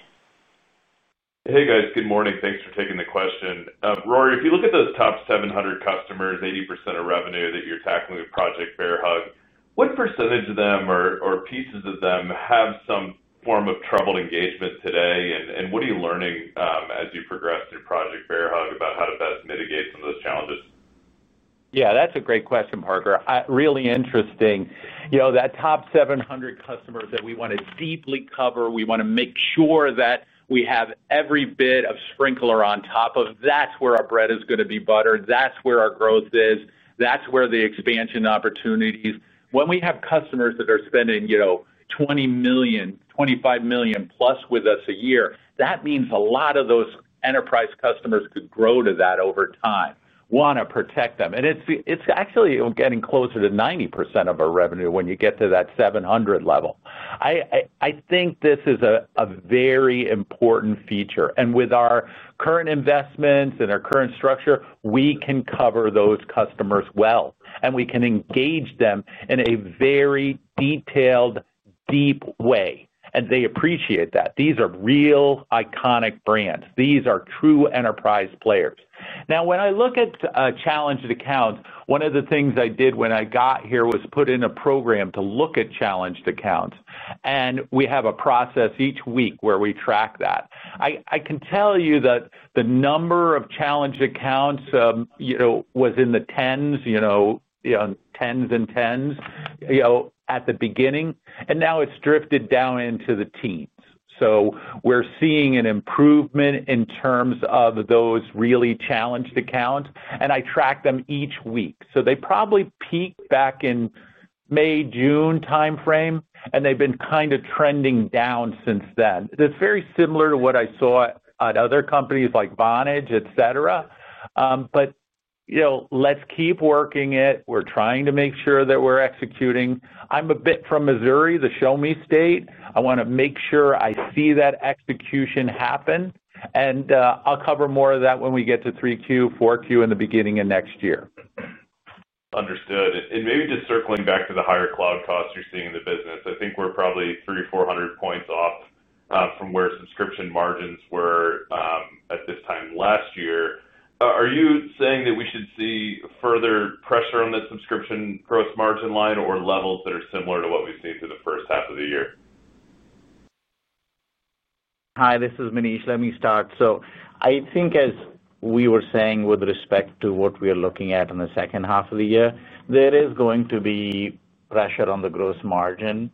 Hey guys, good morning. Thanks for taking the question. Rory, if you look at those top 700 customers, 80% of revenue that you're tackling with Project Bear Hug, what percentage of them or pieces of them have some form of troubled engagement today? What are you learning as you progress through Project Bear Hug about how to best mitigate some of those challenges? Yeah, that's a great question, Parker. Really interesting. You know, that top 700 customers that we want to deeply cover, we want to make sure that we have every bit of Sprinklr on top of. That's where our bread is going to be buttered. That's where our growth is. That's where the expansion opportunities are. When we have customers that are spending $20 million, $25 million plus with us a year, that means a lot of those enterprise customers could grow to that over time. We want to protect them. It's actually getting closer to 90% of our revenue when you get to that 700 level. I think this is a very important feature. With our current investments and our current structure, we can cover those customers well, and we can engage them in a very detailed, deep way. They appreciate that. These are real iconic brands. These are true enterprise players. Now, when I look at challenged accounts, one of the things I did when I got here was put in a program to look at challenged accounts. We have a process each week where we track that. I can tell you that the number of challenged accounts was in the 10s, 10s and 10s at the beginning, and now it's drifted down into the teens. We're seeing an improvement in terms of those really challenged accounts, and I track them each week. They probably peaked back in May, June timeframe, and they've been kind of trending down since then. It's very similar to what I saw at other companies like Vonage, et cetera. Let's keep working it. We're trying to make sure that we're executing. I'm a bit from Missouri, the Show Me State. I want to make sure I see that execution happen. I'll cover more of that when we get to 3Q, 4Q in the beginning of next year. Understood. Maybe just circling back to the higher cloud costs you're seeing in the business, I think we're probably 300, 400 points off from where subscription margins were at this time last year. Are you saying that we should see further pressure on that subscription gross margin line or levels that are similar to what we've seen through the first half of the year? Hi, this is Manish. Let me start. As we were saying with respect to what we are looking at in the second half of the year, there is going to be pressure on the gross margin,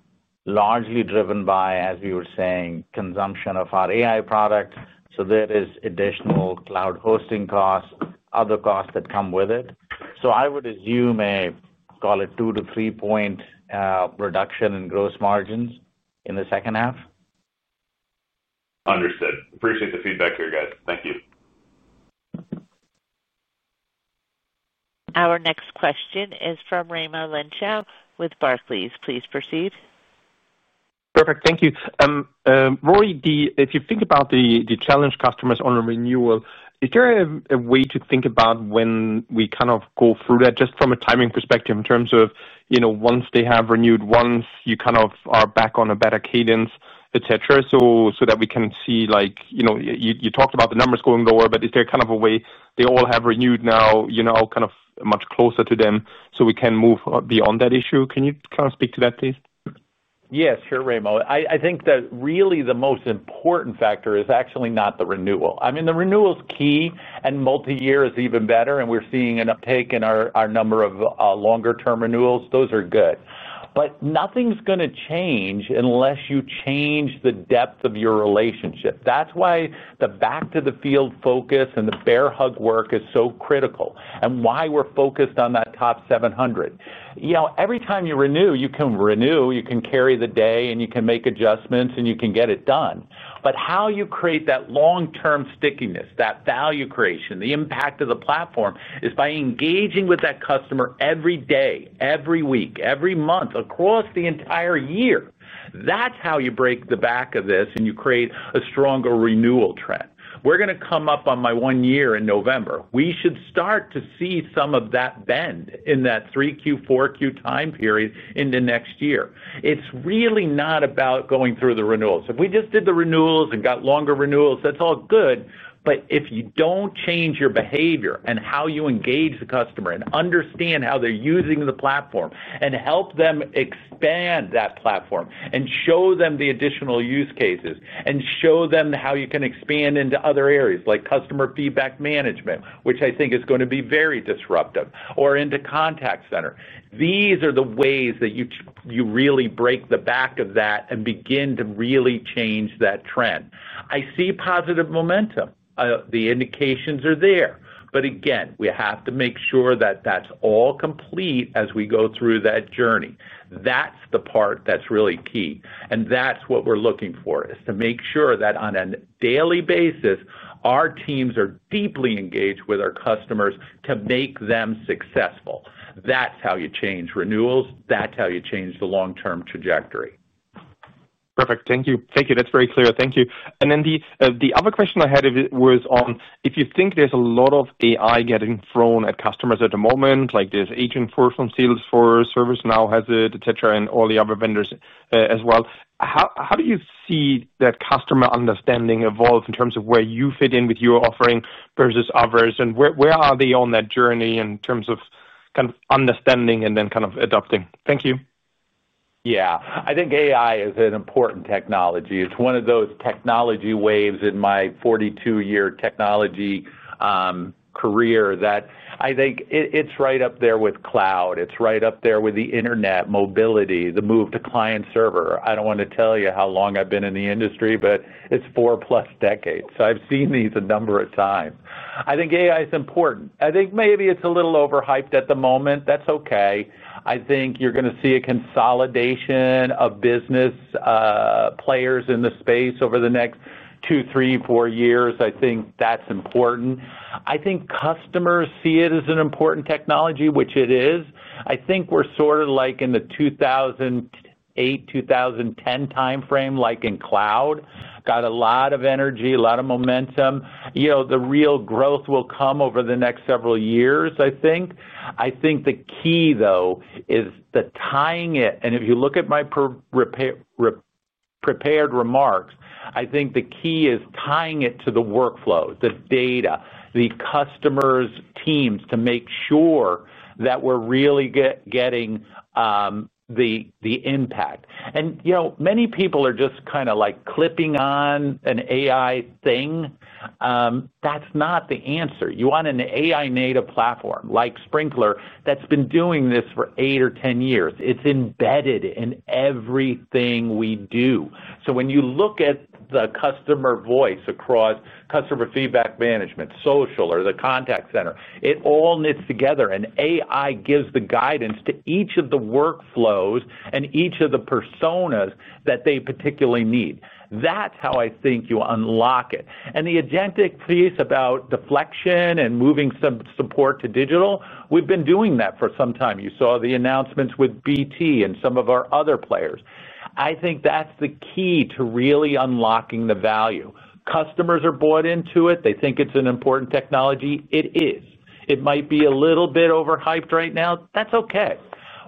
largely driven by, as we were saying, consumption of our AI product. There is additional cloud hosting costs, other costs that come with it. I would assume a, call it, 2- 3 point reduction in gross margins in the second half. Understood. Appreciate the feedback here, guys. Thank you. Our next question is from Raymond with Barclays. Please proceed. Perfect. Thank you. Rory, if you think about the challenged customers on a renewal, is there a way to think about when we kind of go through that just from a timing perspective, in terms of, you know, once they have renewed, once you kind of are back on a better cadence, et cetera, so that we can see, like, you know, you talked about the numbers going lower, but is there kind of a way they all have renewed now, you know, kind of much closer to them so we can move beyond that issue? Can you kind of speak to that, please? Yes, sure, Raymond. I think that really the most important factor is actually not the renewal. I mean, the renewal's key and multi-year is even better, and we're seeing an uptake in our number of longer-term renewals. Those are good. Nothing's going to change unless you change the depth of your relationship. That's why the back-to-the-field focus and the Project Bear Hug work is so critical and why we're focused on that top 700. Every time you renew, you can renew, you can carry the day, and you can make adjustments, and you can get it done. How you create that long-term stickiness, that value creation, the impact of the platform is by engaging with that customer every day, every week, every month, across the entire year. That's how you break the back of this and you create a stronger renewal trend. We're going to come up on my one year in November. We should start to see some of that bend in that 3Q, 4Q time period in the next year. It's really not about going through the renewals. If we just did the renewals and got longer renewals, that's all good. If you don't change your behavior and how you engage the customer and understand how they're using the platform and help them expand that platform and show them the additional use cases and show them how you can expand into other areas like customer feedback management, which I think is going to be very disruptive, or into contact center, these are the ways that you really break the back of that and begin to really change that trend. I see positive momentum. The indications are there. We have to make sure that that's all complete as we go through that journey. That's the part that's really key. That's what we're looking for is to make sure that on a daily basis, our teams are deeply engaged with our customers to make them successful. That's how you change renewals. That's how you change the long-term trajectory. Perfect. Thank you. Thank you. That's very clear. Thank you. The other question I had was on if you think there's a lot of AI getting thrown at customers at the moment, like there's Agentic AI from Salesforce, ServiceNow has it, et cetera, and all the other vendors as well. How do you see that customer understanding evolve in terms of where you fit in with your offering versus others? Where are they on that journey in terms of kind of understanding and then kind of adopting? Thank you. Yeah, I think AI is an important technology. It's one of those technology waves in my 42-year technology career that I think is right up there with cloud. It's right up there with the internet, mobility, the move to client server. I don't want to tell you how long I've been in the industry, but it's four plus decades. I've seen these a number of times. I think AI is important. Maybe it's a little overhyped at the moment. That's okay. I think you're going to see a consolidation of business players in the space over the next two, three, four years. I think that's important. Customers see it as an important technology, which it is. I think we're sort of like in the 2008, 2010 timeframe, like in cloud. Got a lot of energy, a lot of momentum. The real growth will come over the next several years, I think. The key, though, is tying it. If you look at my prepared remarks, I think the key is tying it to the workflow, the data, the customers' teams to make sure that we're really getting the impact. Many people are just kind of clipping on an AI thing. That's not the answer. You want an AI-native platform like Sprinklr that's been doing this for eight or ten years. It's embedded in everything we do. When you look at the customer voice across customer feedback management, social, or the contact center, it all knits together, and AI gives the guidance to each of the workflows and each of the personas that they particularly need. That's how I think you unlock it. The Agentic piece about deflection and moving some support to digital, we've been doing that for some time. You saw the announcements with BT and some of our other players. I think that's the key to really unlocking the value. Customers are bought into it. They think it's an important technology. It is. It might be a little bit overhyped right now. That's okay.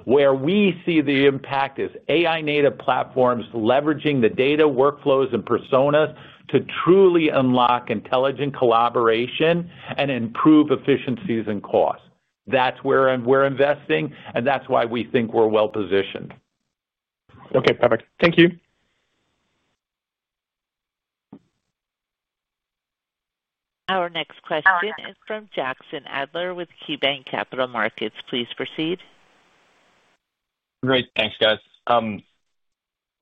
Where we see the impact is AI-native platforms leveraging the data workflows and personas to truly unlock intelligent collaboration and improve efficiencies and costs. That's where we're investing, and that's why we think we're well positioned. Okay, perfect. Thank you. Our next question is from Jackson Ader with KeyBanc Capital Markets. Please proceed. Great, thanks, guys.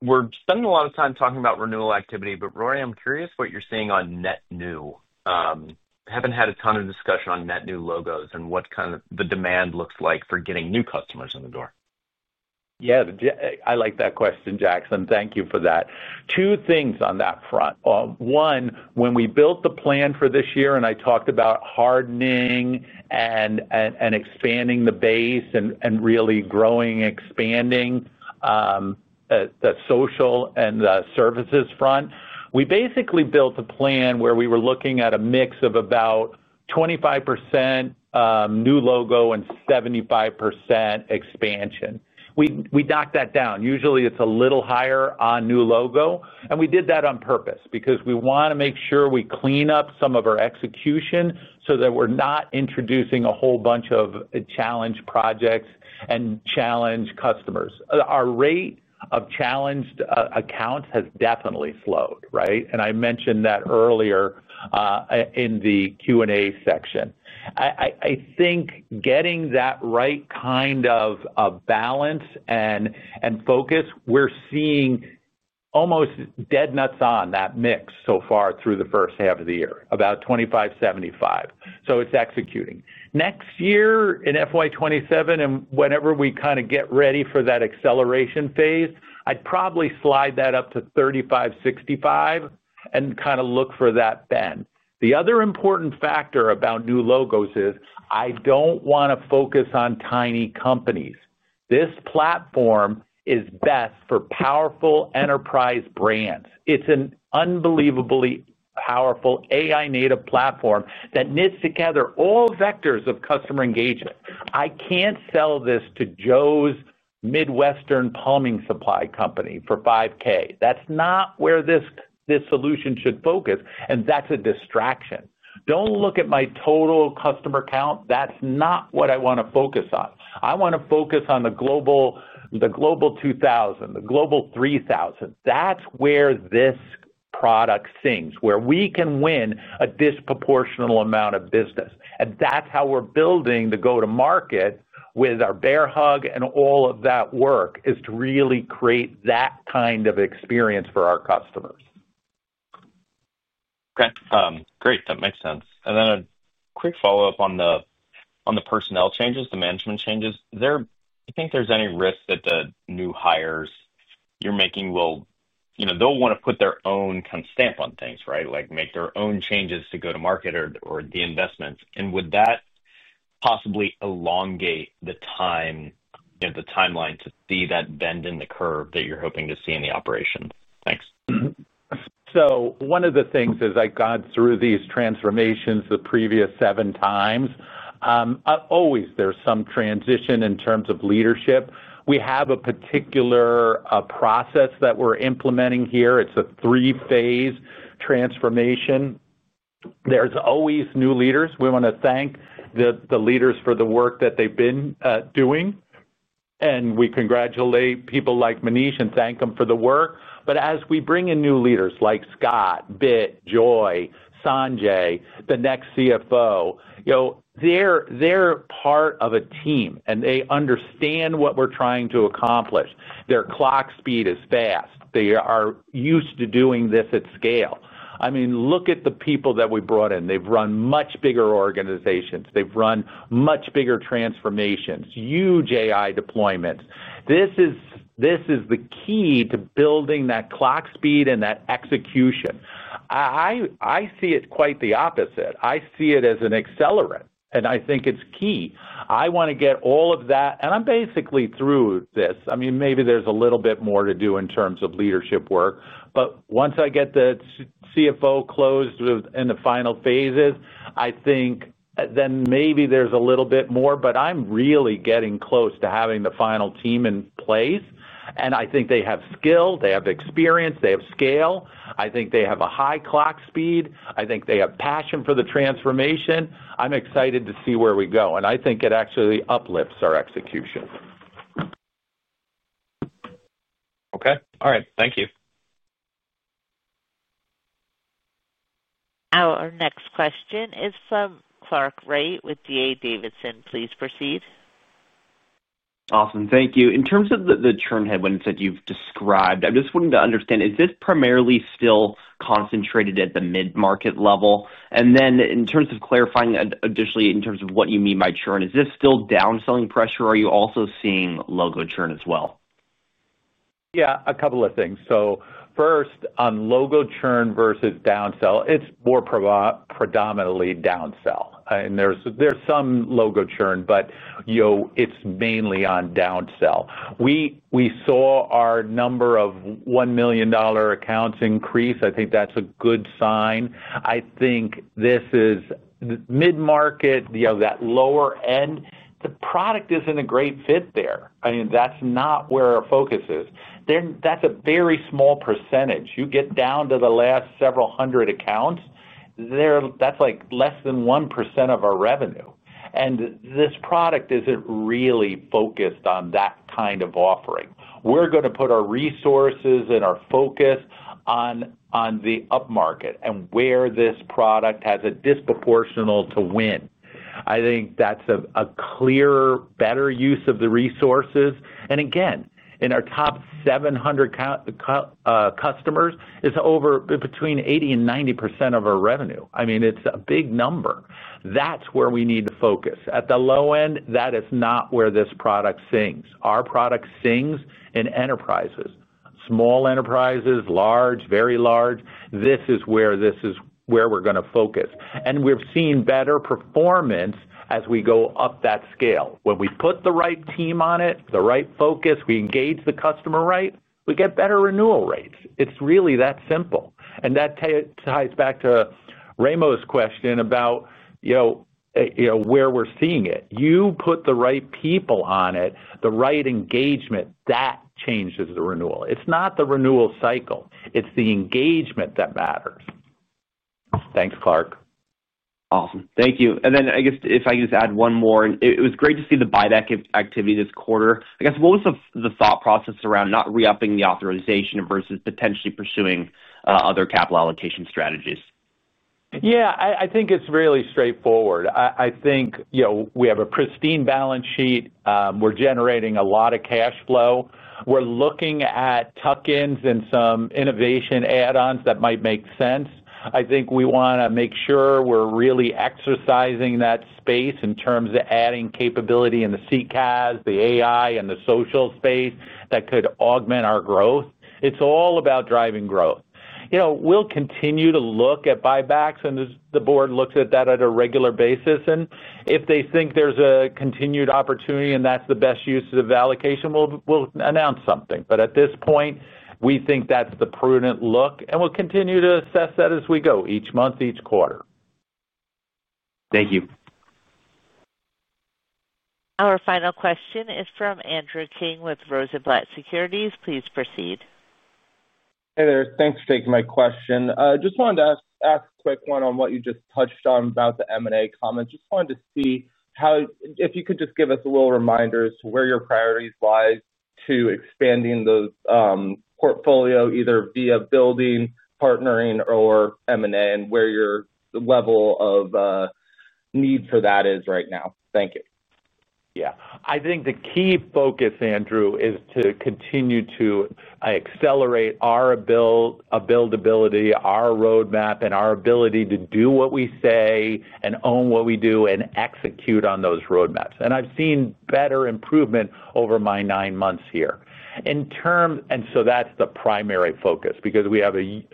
We're spending a lot of time talking about renewal activity, but Rory, I'm curious what you're seeing on net new. Haven't had a ton of discussion on net new logos and what kind of the demand looks like for getting new customers in the door. Yeah, I like that question, Jackson. Thank you for that. Two things on that front. One, when we built the plan for this year, and I talked about hardening and expanding the base and really growing, expanding the social and the services front, we basically built a plan where we were looking at a mix of about 25% new logo and 75% expansion. We knocked that down. Usually, it's a little higher on new logo. We did that on purpose because we want to make sure we clean up some of our execution so that we're not introducing a whole bunch of challenged projects and challenged customers. Our rate of challenged accounts has definitely slowed, right? I mentioned that earlier in the Q&A section. I think getting that right kind of balance and focus, we're seeing almost dead nuts on that mix so far through the first half of the year, about $2,575. It's executing. Next year in FY2027, and whenever we kind of get ready for that acceleration phase, I'd probably slide that up to $3,565 and kind of look for that bend. The other important factor about new logos is I don't want to focus on tiny companies. This platform is best for powerful enterprise brands. It's an unbelievably powerful AI-native platform that knits together all vectors of customer engagement. I can't sell this to Joe's Midwestern Plumbing Supply Company for $5,000. That's not where this solution should focus, and that's a distraction. Don't look at my total customer count. That's not what I want to focus on. I want to focus on the Global 2000, the Global 3000. That's where this product sings, where we can win a disproportional amount of business. That's how we're building the go-to-market with our Project Bear Hug and all of that work is to really create that kind of experience for our customers. Okay, great. That makes sense. A quick follow-up on the personnel changes, the management changes. I think there's any risk that the new hires you're making will, you know, they'll want to put their own kind of stamp on things, right? Like make their own changes to go-to-market or the investments. Would that possibly elongate the timeline to see that bend in the curve that you're hoping to see in the operation? Thanks. One of the things is I got through these transformations the previous seven times. Always there's some transition in terms of leadership. We have a particular process that we're implementing here. It's a three-phase transformation. There's always new leaders. We want to thank the leaders for the work that they've been doing. We congratulate people like Manish and thank them for the work. As we bring in new leaders like Scott, Bit, Joy, Sanjay, the next CFO, they're part of a team and they understand what we're trying to accomplish. Their clock speed is fast. They are used to doing this at scale. I mean, look at the people that we brought in. They've run much bigger organizations. They've run much bigger transformations, huge AI deployments. This is the key to building that clock speed and that execution. I see it quite the opposite. I see it as an accelerant. I think it's key. I want to get all of that. I'm basically through this. Maybe there's a little bit more to do in terms of leadership work. Once I get the CFO closed in the final phases, I think then maybe there's a little bit more, but I'm really getting close to having the final team in place. I think they have skill, they have experience, they have scale. I think they have a high clock speed. I think they have passion for the transformation. I'm excited to see where we go. I think it actually uplifts our execution. Okay. All right. Thank you. Our next question is from Clark Wright with D.A. Davidson. Please proceed. Awesome. Thank you. In terms of the churn headwinds that you've described, I'm just wanting to understand, is this primarily still concentrated at the mid-market level? In terms of clarifying additionally in terms of what you mean by churn, is this still downselling pressure? Are you also seeing logo churn as well? Yeah, a couple of things. First, on logo churn versus downsell, it's more predominantly downsell. There's some logo churn, but it's mainly on downsell. We saw our number of $1 million accounts increase. I think that's a good sign. I think this is mid-market, that lower end. The product isn't a great fit there. I mean, that's not where our focus is. That's a very small percentage. You get down to the last several hundred accounts. That's less than 1% of our revenue. This product isn't really focused on that kind of offering. We're going to put our resources and our focus on the upmarket and where this product has a disproportional to win. I think that's a clearer, better use of the resources. In our top 700 customers, it's over between 80% and 90% of our revenue. It's a big number. That's where we need to focus. At the low end, that is not where this product sings. Our product sings in enterprises. Small enterprises, large, very large. This is where we're going to focus. We've seen better performance as we go up that scale. When we put the right team on it, the right focus, we engage the customer right, we get better renewal rates. It's really that simple. That ties back to Raymond's question about where we're seeing it. You put the right people on it, the right engagement, that changes the renewal. It's not the renewal cycle. It's the engagement that matters. Thanks, Clark. Awesome. Thank you. If I can just add one more, it was great to see the buyback activity this quarter. What was the thought process around not re-upping the authorization versus potentially pursuing other capital allocation strategies? Yeah, I think it's really straightforward. I think, you know, we have a pristine balance sheet. We're generating a lot of cash flow. We're looking at tuck-ins and some innovation add-ons that might make sense. I think we want to make sure we're really exercising that space in terms of adding capability in the CCaaS, the AI, and the social space that could augment our growth. It's all about driving growth. We'll continue to look at buybacks, and the board looks at that on a regular basis. If they think there's a continued opportunity and that's the best use of allocation, we'll announce something. At this point, we think that's the prudent look, and we'll continue to assess that as we go each month, each quarter. Thank you. Our final question is from Andrew King with Rosenblatt Securities. Please proceed. Hey there. Thanks for taking my question. I just wanted to ask a quick one on what you just touched on about the M&A comments. I just wanted to see if you could give us a little reminder as to where your priorities lie to expanding the portfolio, either via building, partnering, or M&A, and where your level of need for that is right now. Thank you. Yeah, I think the key focus, Andrew, is to continue to accelerate our buildability, our roadmap, and our ability to do what we say and own what we do and execute on those roadmaps. I've seen better improvement over my nine months here. That's the primary focus because we have a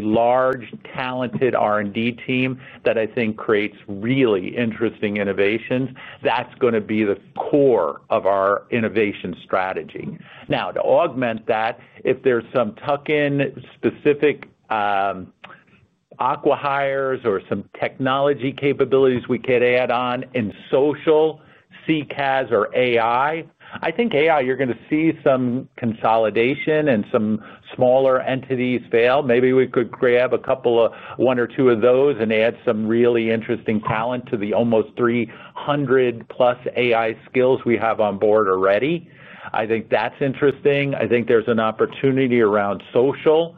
large, talented R&D team that I think creates really interesting innovations. That's going to be the core of our innovation strategy. Now, to augment that, if there's some tuck-in specific acqui-hires or some technology capabilities we could add on in social, CCaaS, or AI, I think AI, you're going to see some consolidation and some smaller entities fail. Maybe we could grab a couple of one or two of those and add some really interesting talent to the almost 300-plus AI skills we have on board already. I think that's interesting. I think there's an opportunity around social.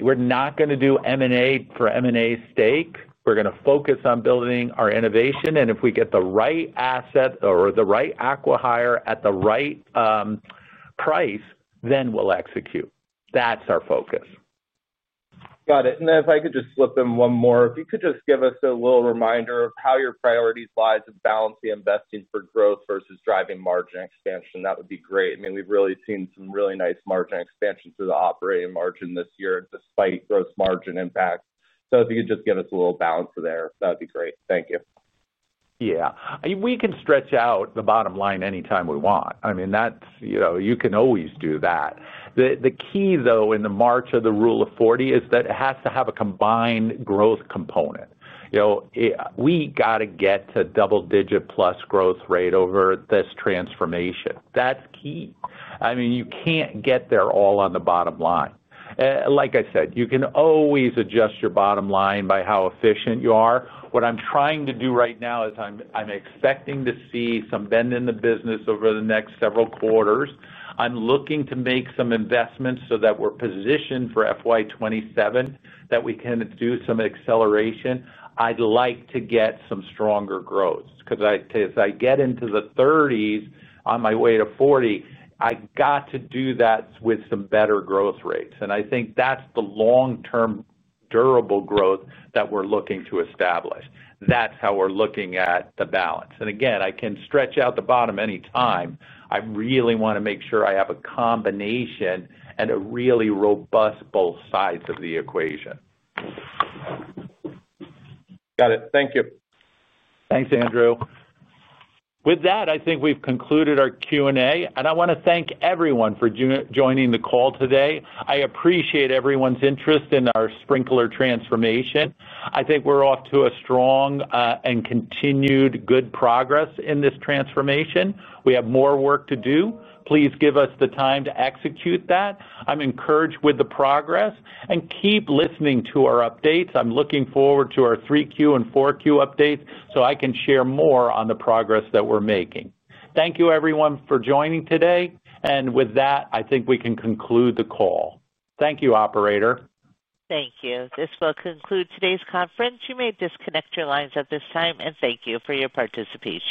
We're not going to do M&A for M&A's sake. We're going to focus on building our innovation. If we get the right asset or the right acqui-hire at the right. That's our focus. Got it. If you could just give us a little reminder of how your priorities lie to balance the investing for growth versus driving margin expansion, that would be great. I mean, we've really seen some really nice margin expansion through the operating margin this year, despite gross margin impact. If you could just give us a little balance there, that would be great. Thank you. Yeah. I mean, we can stretch out the bottom line anytime we want. I mean, that's, you know, you can always do that. The key in the March of the Rule of 40 is that it has to have a combined growth component. You know, we got to get to double-digit plus growth rate over this transformation. That's key. You can't get there all on the bottom line. Like I said, you can always adjust your bottom line by how efficient you are. What I'm trying to do right now is I'm expecting to see some bend in the business over the next several quarters. I'm looking to make some investments so that we're positioned for FY2027, that we can do some acceleration. I'd like to get some stronger growth because as I get into the 30s, on my way to 40, I got to do that with some better growth rates. I think that's the long-term durable growth that we're looking to establish. That's how we're looking at the balance. I can stretch out the bottom anytime. I really want to make sure I have a combination and a really robust both sides of the equation. Got it. Thank you. Thanks, Andrew. With that, I think we've concluded our Q&A. I want to thank everyone for joining the call today. I appreciate everyone's interest in our Sprinklr transformation. I think we're off to a strong and continued good progress in this transformation. We have more work to do. Please give us the time to execute that. I'm encouraged with the progress and keep listening to our updates. I'm looking forward to our 3Q and 4Q updates so I can share more on the progress that we're making. Thank you, everyone, for joining today. With that, I think we can conclude the call. Thank you, operator. Thank you. This will conclude today's conference. You may disconnect your lines at this time, and thank you for your participation.